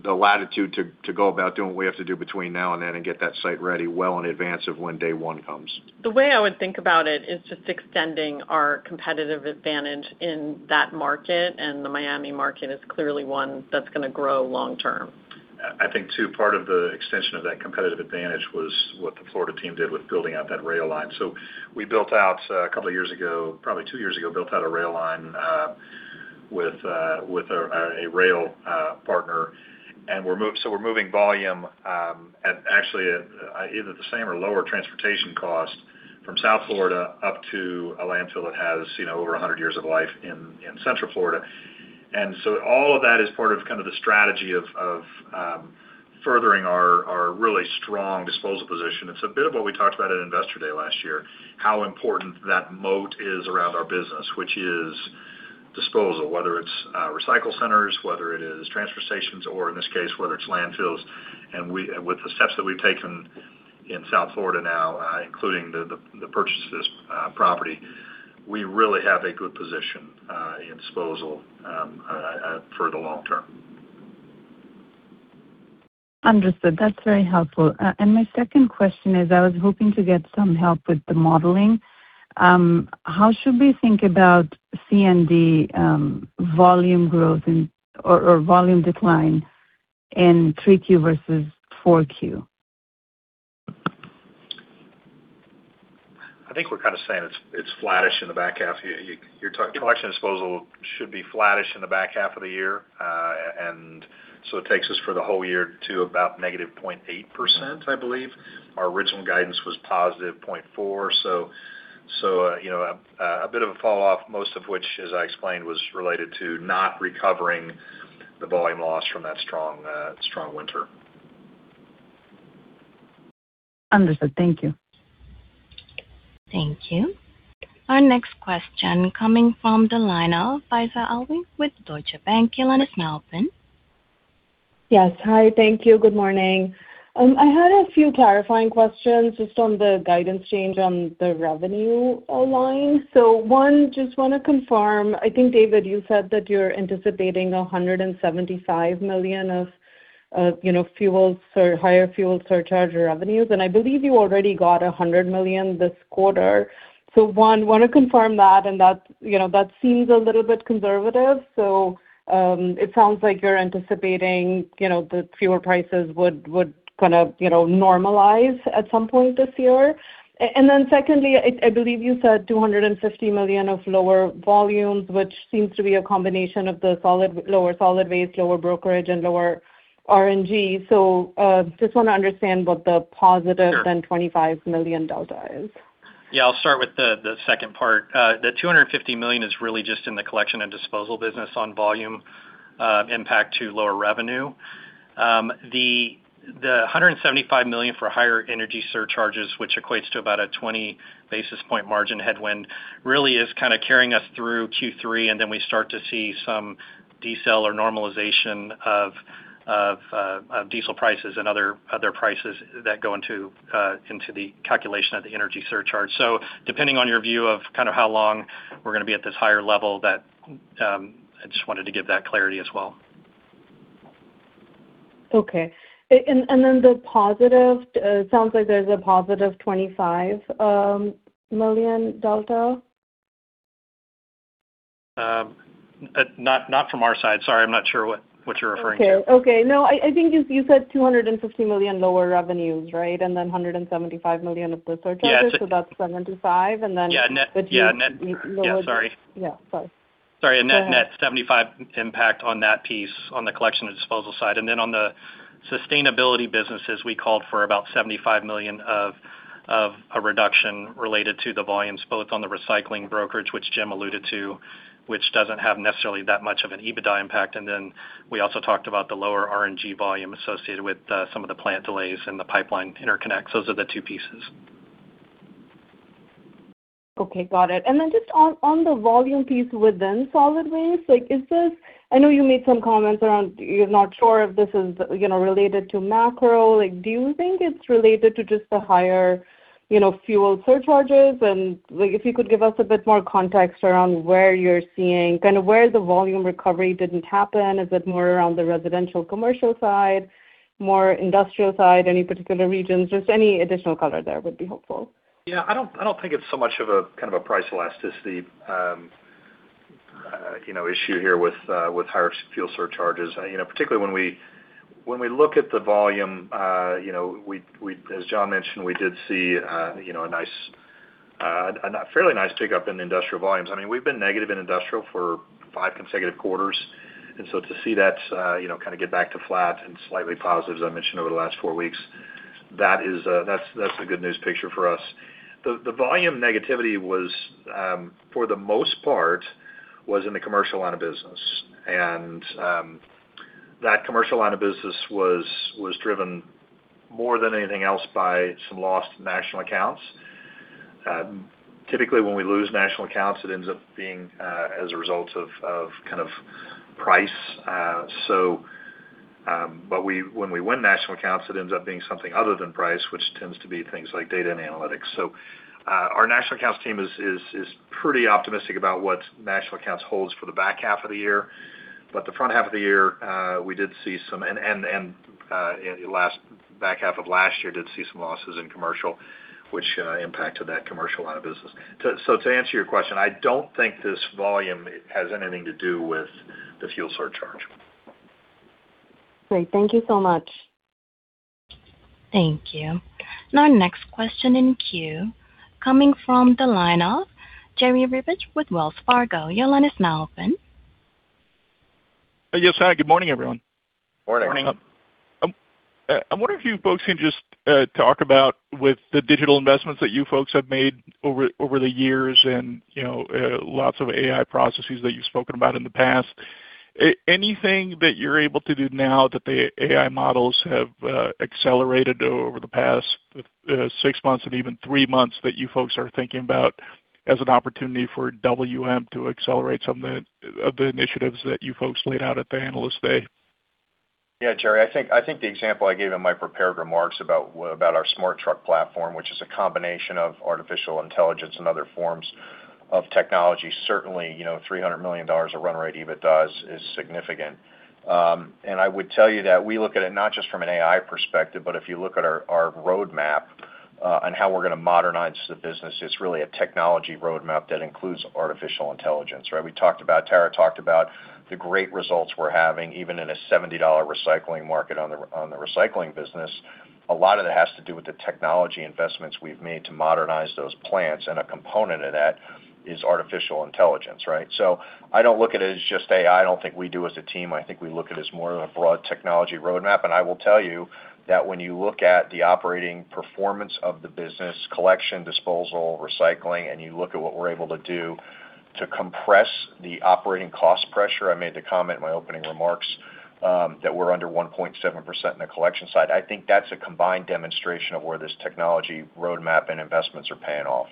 the latitude to go about doing what we have to do between now and then and get that site ready well in advance of when day one comes. The way I would think about it is just extending our competitive advantage in that market, the Miami market is clearly one that's going to grow long term. I think too, part of the extension of that competitive advantage was what the Florida team did with building out that rail line. We, a couple of years ago, probably two years ago, built out a rail line with a rail partner. We're moving volume at actually at either the same or lower transportation cost from South Florida up to a landfill that has over 100 years of life in Central Florida. All of that is part of the strategy of furthering our really strong disposal position. It's a bit of what we talked about at Investor Day last year, how important that moat is around our business, which is disposal, whether it's recycle centers, whether it is transfer stations, or in this case, whether it's landfills. With the steps that we've taken in South Florida now, including the purchase of this property, we really have a good position in disposal for the long term. Understood. That's very helpful. My second question is, I was hoping to get some help with the modeling. How should we think about C&D volume decline in 3Q versus 4Q? I think we're saying it's flattish in the back half. Collection and Disposal should be flattish in the back half of the year. It takes us for the whole year to about -0.8%, I believe. Our original guidance was +0.4%. A bit of a fall off, most of which, as I explained, was related to not recovering the volume loss from that strong winter. Understood. Thank you. Thank you. Our next question coming from the line of Faiza Alwy with Deutsche Bank. Your line is now open. Yes. Hi, thank you. Good morning. I had a few clarifying questions just on the guidance change on the revenue line. one, just want to confirm, I think, David, you said that you're anticipating $175 million of higher fuel surcharge revenues, and I believe you already got $100 million this quarter. one, want to confirm that, and that seems a little bit conservative. it sounds like you're anticipating the fuel prices would normalize at some point this year. secondly, I believe you said $250 million of lower volumes, which seems to be a combination of the lower solid waste, lower brokerage, and lower RNG. just want to understand what the- Sure. ...$25 million delta is. Yeah, I'll start with the second part. The $250 million is really just in the Collection and Disposal business on volume impact to lower revenue. The $175 million for higher energy surcharges, which equates to about a 20 basis point margin headwind, really is carrying us through Q3, we start to see some diesel or normalization of diesel prices and other prices that go into the calculation of the energy surcharge. Depending on your view of how long we're going to be at this higher level, I just wanted to give that clarity as well. Okay. The positive, sounds like there's $+25 million delta? Not from our side. Sorry, I'm not sure what you're referring to. Okay. No, I think you said $250 million lower revenues, right? $175 million of the surcharges- Yeah. ...that's $75. Yeah. The two. Yeah, sorry. Yeah, sorry. Sorry. Go ahead $75 impact on that piece, on the Collection and Disposal side. On the sustainability businesses, we called for about $75 million of a reduction related to the volumes, both on the recycling brokerage, which Jim alluded to, which doesn't have necessarily that much of an EBITDA impact. We also talked about the lower RNG volume associated with some of the plant delays and the pipeline interconnects. Those are the two pieces. Okay, got it. Just on the volume piece within solid waste, I know you made some comments around you're not sure if this is related to macro. Do you think it's related to just the higher fuel surcharges? If you could give us a bit more context around where you're seeing where the volume recovery didn't happen. Is it more around the residential/commercial side, more industrial side, any particular regions? Just any additional color there would be helpful. Yeah, I don't think it's so much of a price elasticity issue here with higher fuel surcharges. Particularly when we look at the volume, as John mentioned, we did see a fairly nice pickup in industrial volumes. We've been negative in industrial for five consecutive quarters, to see that kind of get back to flat and slightly positive, as I mentioned, over the last four weeks, that's the good news picture for us. The volume negativity was, for the most part, was in the commercial line of business. That commercial line of business was driven more than anything else by some lost national accounts. Typically, when we lose national accounts, it ends up being as a result of price. When we win national accounts, it ends up being something other than price, which tends to be things like data and analytics. Our national accounts team is pretty optimistic about what national accounts holds for the back half of the year. The front half of the year, and the back half of last year did see some losses in commercial, which impacted that commercial line of business. To answer your question, I don't think this volume has anything to do with the fuel surcharge. Great. Thank you so much. Thank you. Our next question in queue, coming from the line of Jerry Revich with Wells Fargo. Your line is now open. Yes. Good morning, everyone. Morning. Morning. I wonder if you folks can just talk about with the digital investments that you folks have made over the years and lots of AI processes that you've spoken about in the past, anything that you're able to do now that the AI models have accelerated over the past six months and even three months that you folks are thinking about as an opportunity for WM to accelerate some of the initiatives that you folks laid out at the Analyst Day? Yeah, Jerry, I think the example I gave in my prepared remarks about our Smart Truck platform, which is a combination of artificial intelligence and other forms of technology, certainly, $300 million of run rate EBITDAs is significant. I would tell you that we look at it not just from an AI perspective, but if you look at our roadmap on how we're going to modernize the business, it's really a technology roadmap that includes artificial intelligence, right? Tara talked about the great results we're having, even in a $70 recycling market on the recycling business. A lot of that has to do with the technology investments we've made to modernize those plants, and a component of that is artificial intelligence, right? I don't look at it as just AI. I don't think we do as a team. I think we look at it as more of a broad technology roadmap. I will tell you that when you look at the operating performance of the business, collection, disposal, recycling, and you look at what we're able to do to compress the operating cost pressure, I made the comment in my opening remarks that we're under 1.7% in the collection side. I think that's a combined demonstration of where this technology roadmap and investments are paying off.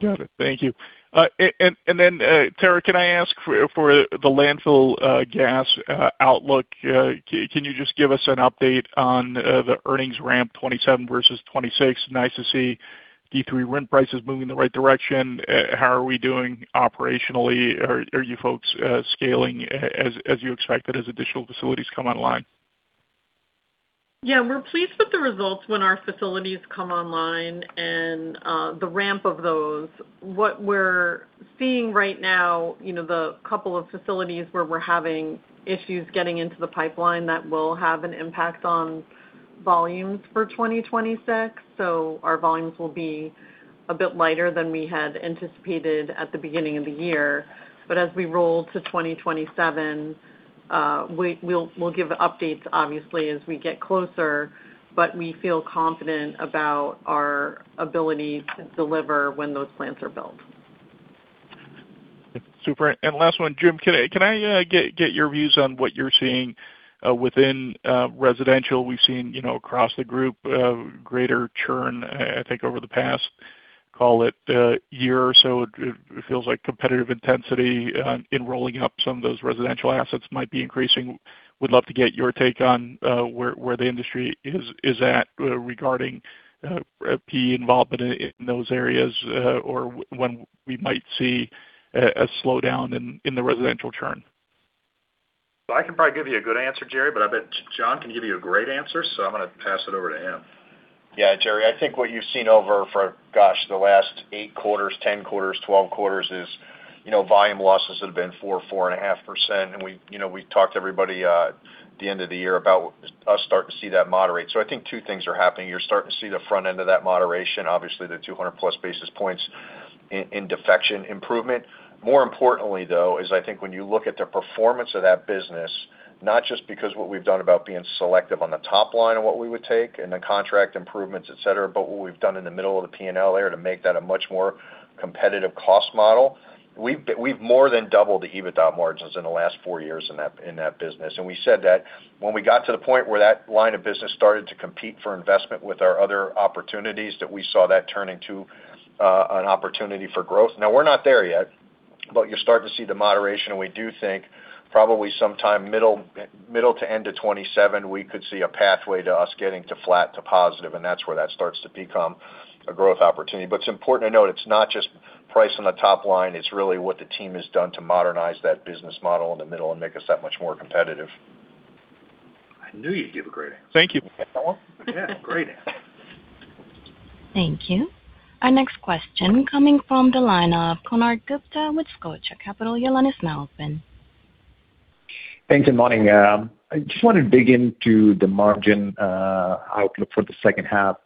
Got it. Thank you. Tara, can I ask for the landfill gas outlook, can you just give us an update on the earnings ramp 2027 versus 2026? Nice to see D3 RIN prices moving in the right direction. How are we doing operationally? Are you folks scaling as you expected as additional facilities come online? Yeah. We're pleased with the results when our facilities come online and the ramp of those. What we're seeing right now, the couple of facilities where we're having issues getting into the pipeline, that will have an impact on volumes for 2026. Our volumes will be a bit lighter than we had anticipated at the beginning of the year. As we roll to 2027, we'll give updates obviously as we get closer, but we feel confident about our ability to deliver when those plants are built. Super. Last one, Jim, can I get your views on what you're seeing within residential? We've seen across the group, greater churn, I think, over the past call it year or so. It feels like competitive intensity in rolling up some of those residential assets might be increasing. Would love to get your take on where the industry is at regarding PE involvement in those areas or when we might see a slowdown in the residential churn. I can probably give you a good answer, Jerry, I bet John can give you a great answer, I'm going to pass it over to him. Jerry, I think what you've seen over for, the last eight quarters, 10 quarters, 12 quarters is volume losses that have been 4%, 4.5%. We've talked to everybody at the end of the year about us starting to see that moderate. I think two things are happening. You're starting to see the front end of that moderation, obviously the 200+ basis points in defection improvement. More importantly, though, is I think when you look at the performance of that business, not just because what we've done about being selective on the top line of what we would take and the contract improvements, etc, but what we've done in the middle of the P&L there to make that a much more competitive cost model. We've more than doubled the EBITDA margins in the last four years in that business. We said that when we got to the point where that line of business started to compete for investment with our other opportunities, that we saw that turn into an opportunity for growth. Now we're not there yet, but you're starting to see the moderation, and we do think probably sometime middle to end of 2027, we could see a pathway to us getting to flat to positive, and that's where that starts to become a growth opportunity. It's important to note, it's not just price on the top line. It's really what the team has done to modernize that business model in the middle and make us that much more competitive. I knew you'd give a great answer. Thank you. Yeah, great answer. Thank you. Our next question coming from the line of Konark Gupta with Scotia Capital. Your line is now open. Thanks, and morning. I just want to dig into the margin outlook for the second half.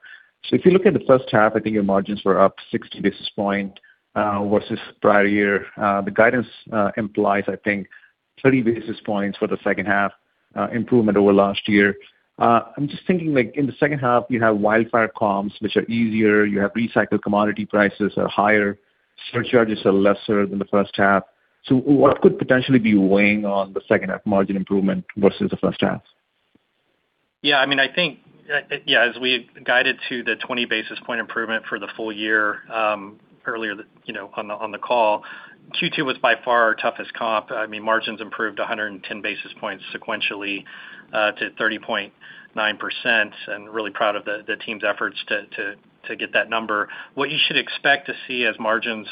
If you look at the first half, I think your margins were up 60 basis points, versus prior year. The guidance implies, I think 30 basis points for the second half improvement over last year. I'm just thinking, like in the second half, you have wildfire comps, which are easier. You have recycled commodity prices are higher. Surcharges are lesser than the first half. What could potentially be weighing on the second half margin improvement versus the first half? Yeah. As we guided to the 20 basis points improvement for the full year, earlier on the call, Q2 was by far our toughest comp. Margins improved 110 basis points sequentially, to 30.9%, and really proud of the team's efforts to get that number. What you should expect to see as margins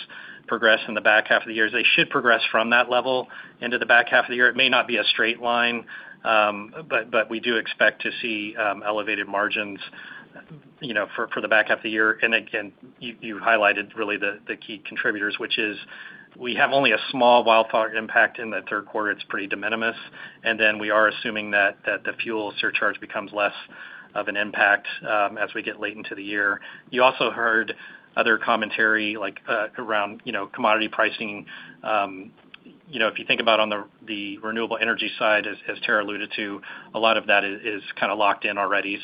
progress in the back half of the year is they should progress from that level into the back half of the year. It may not be a straight line, but we do expect to see elevated margins for the back half of the year. Again, you highlighted really the key contributors, which is we have only a small wildfire impact in the third quarter. It's pretty de minimis. Then we are assuming that the fuel surcharge becomes less of an impact as we get late into the year. You also heard other commentary around commodity pricing. If you think about on the renewable energy side, as Tara alluded to, a lot of that is kind of locked in already.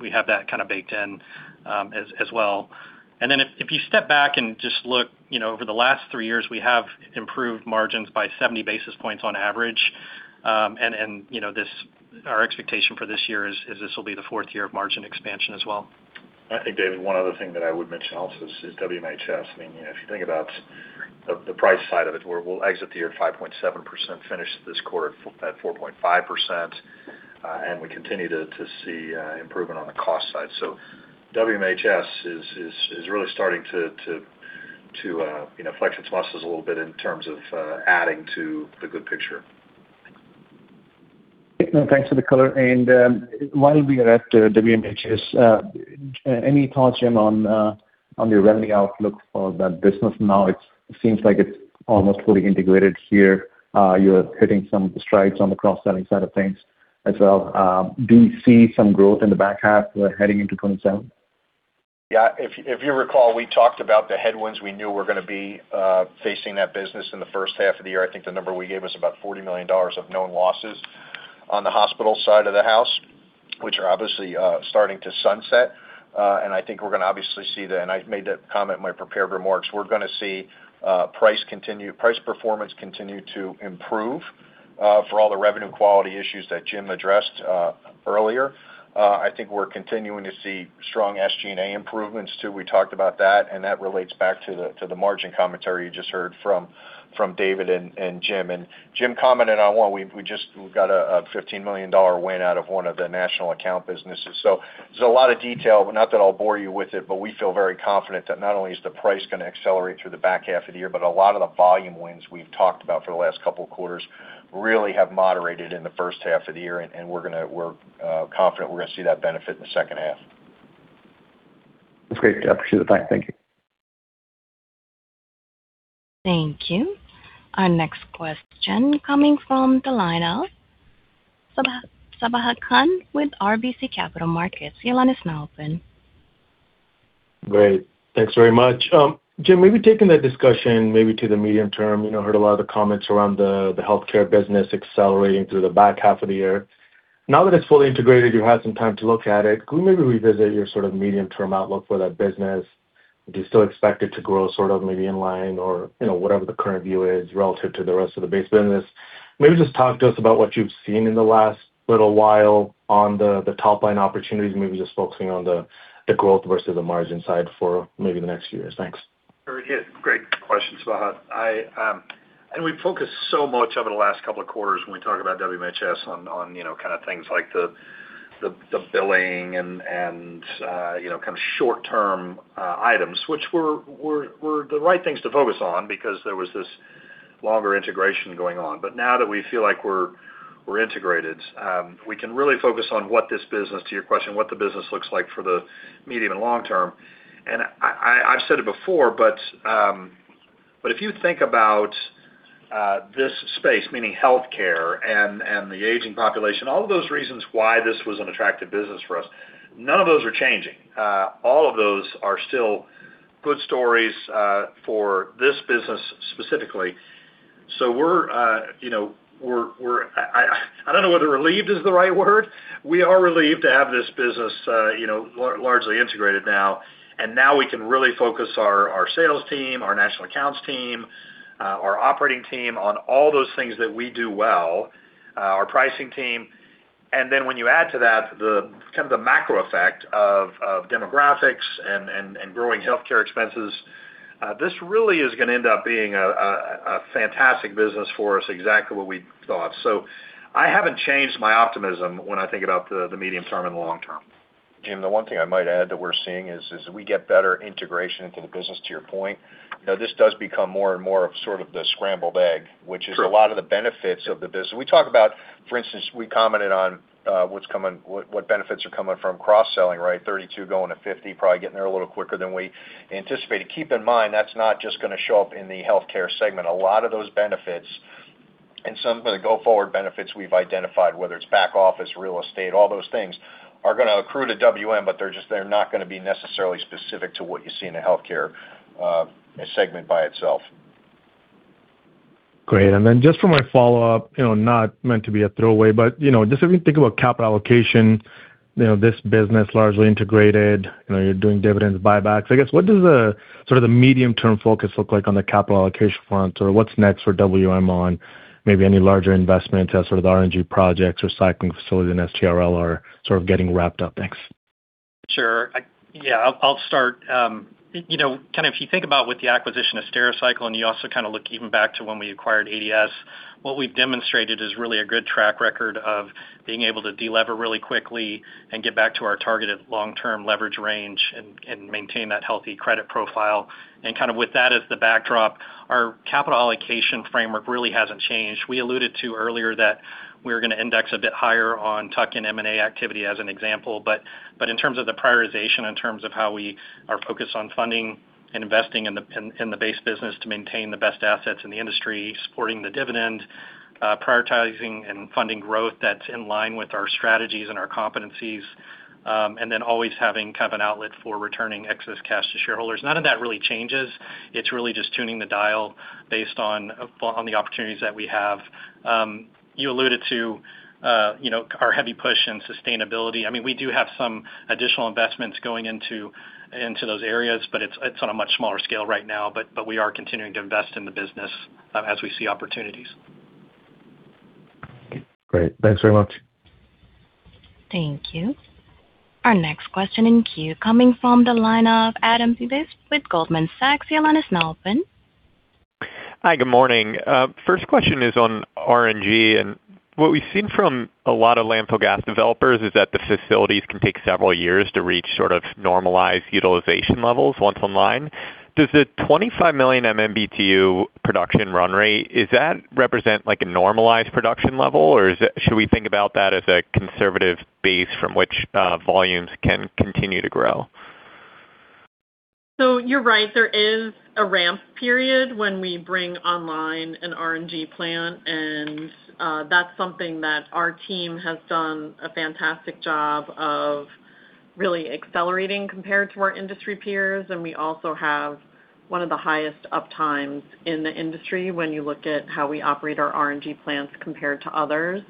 We have that kind of baked in as well. If you step back and just look over the last three years, we have improved margins by 70 basis points on average. Our expectation for this year is this will be the fourth year of margin expansion as well. I think, David, one other thing that I would mention also is WMHS. If you think about the price side of it, we will exit the year at 5.7%, finish this quarter at 4.5%. We continue to see improvement on the cost side. WMHS is really starting to flex its muscles a little bit in terms of adding to the good picture. Thanks for the color. While we are at WMHS, any thoughts, John, on your revenue outlook for that business now? It seems like it is almost fully integrated here. You are hitting some strides on the cross-selling side of things as well. Do you see some growth in the back half heading into 2027? If you recall, we talked about the headwinds we knew were going to be facing that business in the first half of the year. I think the number we gave was about $40 million of known losses on the hospital side of the house, which are obviously starting to sunset. I made that comment in my prepared remarks. We are going to see price performance continue to improve for all the revenue quality issues that Jim addressed earlier. I think we are continuing to see strong SG&A improvements, too. We talked about that. That relates back to the margin commentary you just heard from David and Jim. Jim commented on one. We have got a $15 million win out of one of the national account businesses. There's a lot of detail, not that I'll bore you with it, we feel very confident that not only is the price gonna accelerate through the back half of the year, but a lot of the volume wins we've talked about for the last couple of quarters really have moderated in the first half of the year, and we're confident we're gonna see that benefit in the second half. That's great, John. Appreciate the time. Thank you. Thank you. Our next question coming from the line of Sabahat Khan with RBC Capital Markets. Your line is now open. Great. Thanks very much. Jim, maybe taking that discussion maybe to the medium term, heard a lot of the comments around the healthcare business accelerating through the back half of the year. Now that it's fully integrated, you've had some time to look at it. Could we maybe revisit your sort of medium-term outlook for that business? Do you still expect it to grow sort of maybe in line or whatever the current view is relative to the rest of the base business? Maybe just talk to us about what you've seen in the last little while on the top-line opportunities, and maybe just focusing on the growth versus the margin side for maybe the next few years. Thanks. Great question, Sabahat. We focused so much over the last couple of quarters when we talk about WMHS on things like the billing and short-term items, which were the right things to focus on because there was this longer integration going on. Now that we feel like we're integrated, we can really focus on what this business, to your question, what the business looks like for the medium and long term. I've said it before, if you think about this space, meaning healthcare and the aging population, all of those reasons why this was an attractive business for us, none of those are changing. All of those are still good stories for this business specifically. I don't know whether relieved is the right word. We are relieved to have this business largely integrated now. Now we can really focus our sales team, our national accounts team, our operating team on all those things that we do well, our pricing team. When you add to that the macro effect of demographics and growing healthcare expenses, this really is gonna end up being a fantastic business for us, exactly what we thought. I haven't changed my optimism when I think about the medium term and the long term. Jim, the one thing I might add that we're seeing is we get better integration into the business, to your point. This does become more and more of the scrambled egg, which is a lot of the benefits of the business. We talk about, for instance, we commented on what benefits are coming from cross-selling, right? 32 going to 50, probably getting there a little quicker than we anticipated. Keep in mind, that's not just going to show up in the Healthcare segment. A lot of those benefits and some of the go-forward benefits we've identified, whether it's back office, real estate, all those things, are going to accrue to WM, they're not going to be necessarily specific to what you see in a Healthcare segment by itself. Great. Then just for my follow-up, not meant to be a throwaway, but just as we think about capital allocation, this business largely integrated, you're doing dividends, buybacks. I guess, what does the sort of medium-term focus look like on the capital allocation front? What's next for WM on maybe any larger investment as sort of the RNG projects or cycling facilities in Stericycle are sort of getting wrapped up? Thanks. Sure. Yeah. I'll start. If you think about with the acquisition of Stericycle, and you also kind of look even back to when we acquired ADS, what we've demonstrated is really a good track record of being able to de-lever really quickly and get back to our targeted long-term leverage range and maintain that healthy credit profile. Kind of with that as the backdrop, our capital allocation framework really hasn't changed. We alluded to earlier that we're going to index a bit higher on tuck-in M&A activity, as an example. In terms of the prioritization, in terms of how we are focused on funding and investing in the base business to maintain the best assets in the industry, supporting the dividend, prioritizing and funding growth that's in line with our strategies and our competencies, then always having kind of an outlet for returning excess cash to shareholders. None of that really changes. It's really just tuning the dial based on the opportunities that we have. You alluded to our heavy push in sustainability. I mean, we do have some additional investments going into those areas, it's on a much smaller scale right now. We are continuing to invest in the business as we see opportunities. Great. Thanks very much. Thank you. Our next question in queue coming from the line of Adam Bubes with Goldman Sachs. Your line is now open. Hi, good morning. First question is on RNG, what we've seen from a lot of landfill gas developers is that the facilities can take several years to reach sort of normalized utilization levels once online. Does the 25 million MMBtu production run rate represent like a normalized production level, or should we think about that as a conservative base from which volumes can continue to grow? You're right. There is a ramp period when we bring online an RNG plant, that's something that our team has done a fantastic job of really accelerating compared to our industry peers, we also have one of the highest up times in the industry when you look at how we operate our RNG plants compared to others.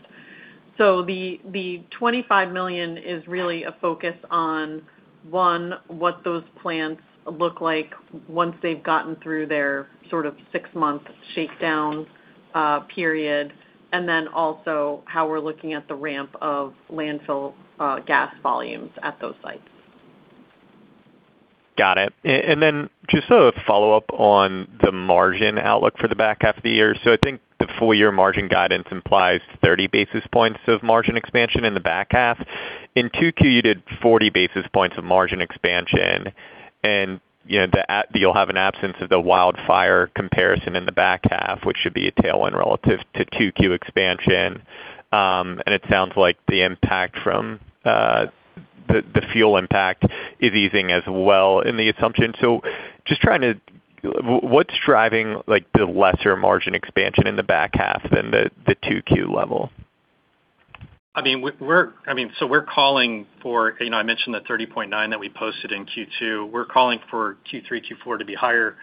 The 25 million is really a focus on, one, what those plants look like once they've gotten through their sort of six-month shakedown period, then also how we're looking at the ramp of landfill gas volumes at those sites. Got it. Just a follow-up on the margin outlook for the back half of the year. I think the full year margin guidance implies 30 basis points of margin expansion in the back half. In 2Q, you did 40 basis points of margin expansion, you'll have an absence of the wildfire comparison in the back half, which should be a tailwind relative to 2Q expansion. It sounds like the fuel impact is easing as well in the assumption. What's driving the lesser margin expansion in the back half than the 2Q level? I mentioned the 30.9 that we posted in Q2. We're calling for Q3, Q4 to be higher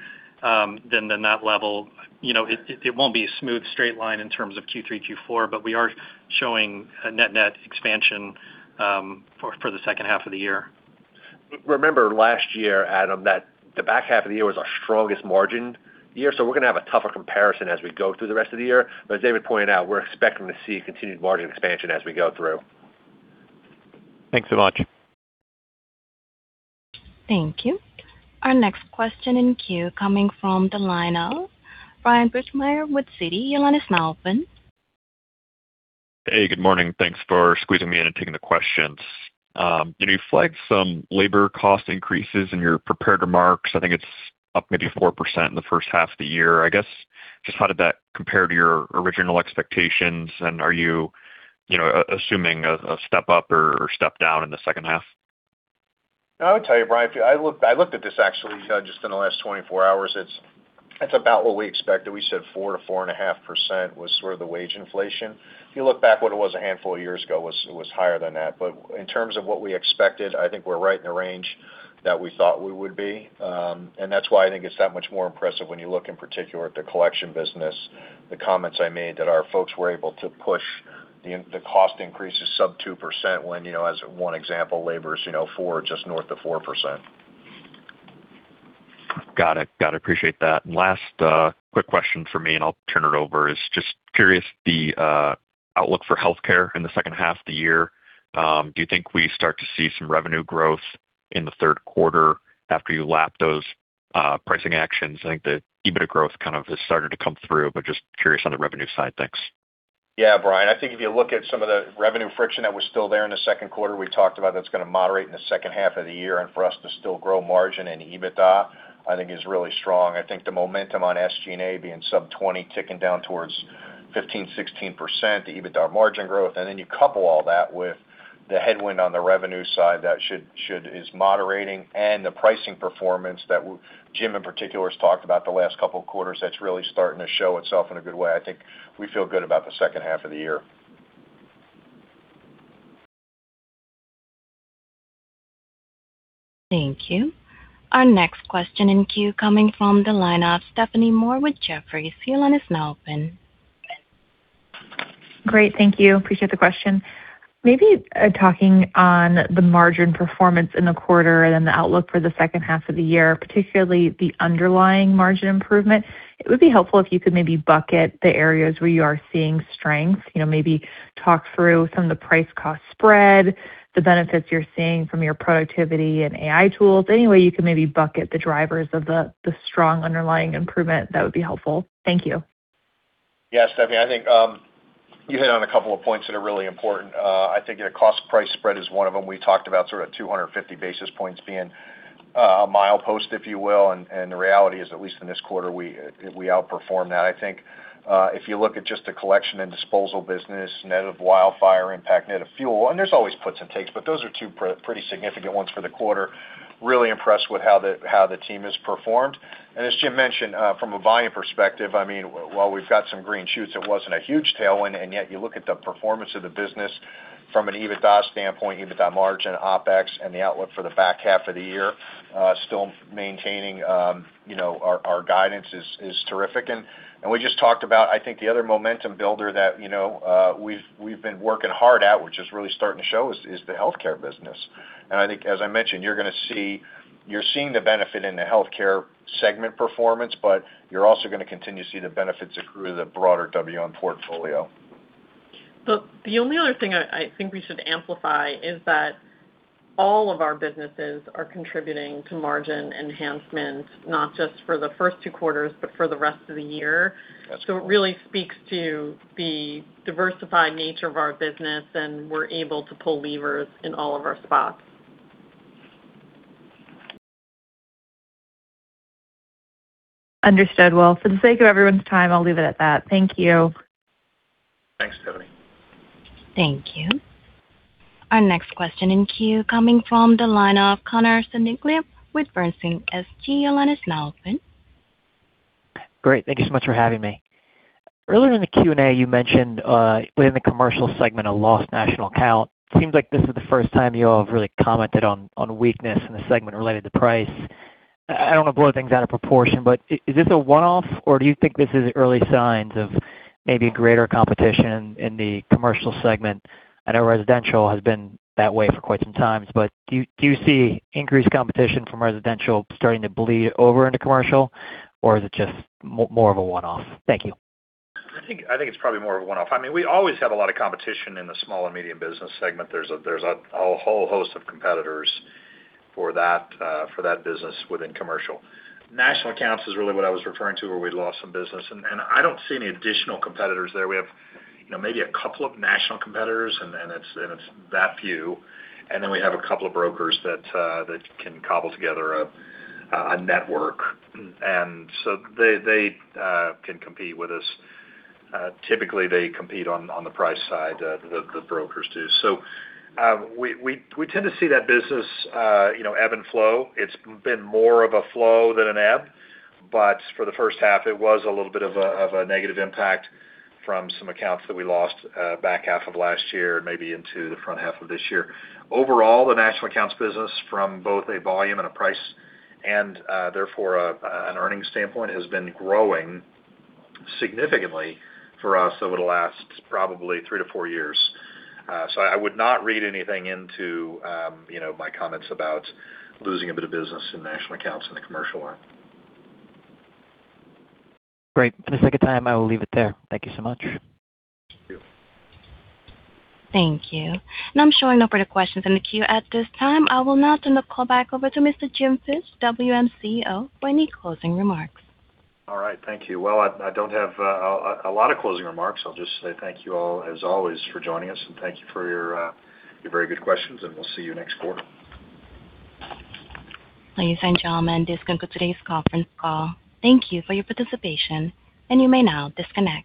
than that level. It won't be a smooth straight line in terms of Q3, Q4, but we are showing a net expansion for the second half of the year. Remember last year, Adam, that the back half of the year was our strongest margined year, we're going to have a tougher comparison as we go through the rest of the year. As David pointed out, we're expecting to see continued margin expansion as we go through. Thanks so much. Thank you. Our next question in queue coming from the line of Bryan Burgmeier with Citi. Your line is now open. Hey, good morning. Thanks for squeezing me in and taking the questions. You flagged some labor cost increases in your prepared remarks. I think it's up maybe 4% in the first half of the year. I guess, just how did that compare to your original expectations, and are you assuming a step up or step down in the second half? I would tell you, Bryan, I looked at this actually just in the last 24 hours. It's about what we expected. We said 4%-4.5% was sort of the wage inflation. If you look back what it was a handful of years ago, it was higher than that. In terms of what we expected, I think we're right in the range that we thought we would be. That's why I think it's that much more impressive when you look in particular at the collection business, the comments I made that our folks were able to push the cost increases sub 2% when, as one example, labor is just north of 4%. Got it. Appreciate that. Last quick question from me, and I'll turn it over, is just curious the outlook for healthcare in the second half of the year. Do you think we start to see some revenue growth in the third quarter after you lap those pricing actions? I think the EBITDA growth kind of has started to come through, but just curious on the revenue side. Thanks. Bryan, I think if you look at some of the revenue friction that was still there in the second quarter, we talked about that's going to moderate in the second half of the year. For us to still grow margin and EBITDA, I think is really strong. I think the momentum on SG&A being sub 20, ticking down towards 15%, 16%, the EBITDA margin growth. You couple all that with the headwind on the revenue side that is moderating and the pricing performance that Jim in particular has talked about the last couple of quarters, that's really starting to show itself in a good way. I think we feel good about the second half of the year. Thank you. Our next question in queue coming from the line of Stephanie Moore with Jefferies. Your line is now open. Great. Thank you. Appreciate the question. Maybe talking on the margin performance in the quarter, the outlook for the second half of the year, particularly the underlying margin improvement. It would be helpful if you could maybe bucket the areas where you are seeing strength. Maybe talk through some of the price cost spread, the benefits you're seeing from your productivity and AI tools. Any way you could maybe bucket the drivers of the strong underlying improvement, that would be helpful. Thank you. Yeah, Stephanie, I think you hit on a couple of points that are really important. I think your cost-price spread is one of them. We talked about sort of 250 basis points being a milepost, if you will. The reality is, at least in this quarter, we outperformed that. I think if you look at just the Collection and Disposal business, net of wildfire impact, net of fuel, there's always puts and takes, but those are two pretty significant ones for the quarter. Really impressed with how the team has performed. As Jim mentioned, from a volume perspective, while we've got some green shoots, it wasn't a huge tailwind. Yet you look at the performance of the business from an EBITDA standpoint, EBITDA margin, OpEx, and the outlook for the back half of the year, still maintaining our guidance is terrific. We just talked about, I think the other momentum builder that we've been working hard at, which is really starting to show is the healthcare business. I think as I mentioned, you're seeing the benefit in the Healthcare segment performance, but you're also going to continue to see the benefits accrue to the broader WM portfolio. The only other thing I think we should amplify is that all of our businesses are contributing to margin enhancements, not just for the first two quarters, but for the rest of the year. Yes. It really speaks to the diversified nature of our business, and we're able to pull levers in all of our spots. Understood. Well, for the sake of everyone's time, I'll leave it at that. Thank you. Thanks, Stephanie. Thank you. Our next question in queue coming from the line of Connor Cerniglia with Bernstein SG, your line is now open. Great. Thank you so much for having me. Earlier in the Q&A you mentioned, within the commercial segment, a lost national account. Seems like this is the first time you all have really commented on weakness in the segment related to price. I don't want to blow things out of proportion, is this a one-off or do you think this is early signs of maybe greater competition in the commercial segment? I know residential has been that way for quite some time. Do you see increased competition from residential starting to bleed over into commercial or is it just more of a one-off? Thank you. I think it's probably more of a one-off. We always have a lot of competition in the small and medium business segment. There's a whole host of competitors for that business within commercial. National accounts is really what I was referring to where we lost some business, I don't see any additional competitors there. We have maybe a couple of national competitors and it's that few. Then we have a couple of brokers that can cobble together a network. They can compete with us. Typically, they compete on the price side, the brokers do. We tend to see that business ebb and flow. It's been more of a flow than an ebb. For the first half it was a little bit of a negative impact from some accounts that we lost back half of last year and maybe into the front half of this year. Overall, the national accounts business from both a volume and a price and therefore an earnings standpoint, has been growing significantly for us over the last probably three to four years. I would not read anything into my comments about losing a bit of business in national accounts in the commercial arm. Great. A second time, I will leave it there. Thank you so much. Thank you. Thank you. Now I'm showing no further questions in the queue at this time. I will now turn the call back over to Mr. Jim Fish, WM CEO, for any closing remarks. All right. Thank you. Well, I don't have a lot of closing remarks. I'll just say thank you all as always for joining us and thank you for your very good questions, and we'll see you next quarter. Ladies and gentlemen, this concludes today's conference call. Thank you for your participation, and you may now disconnect.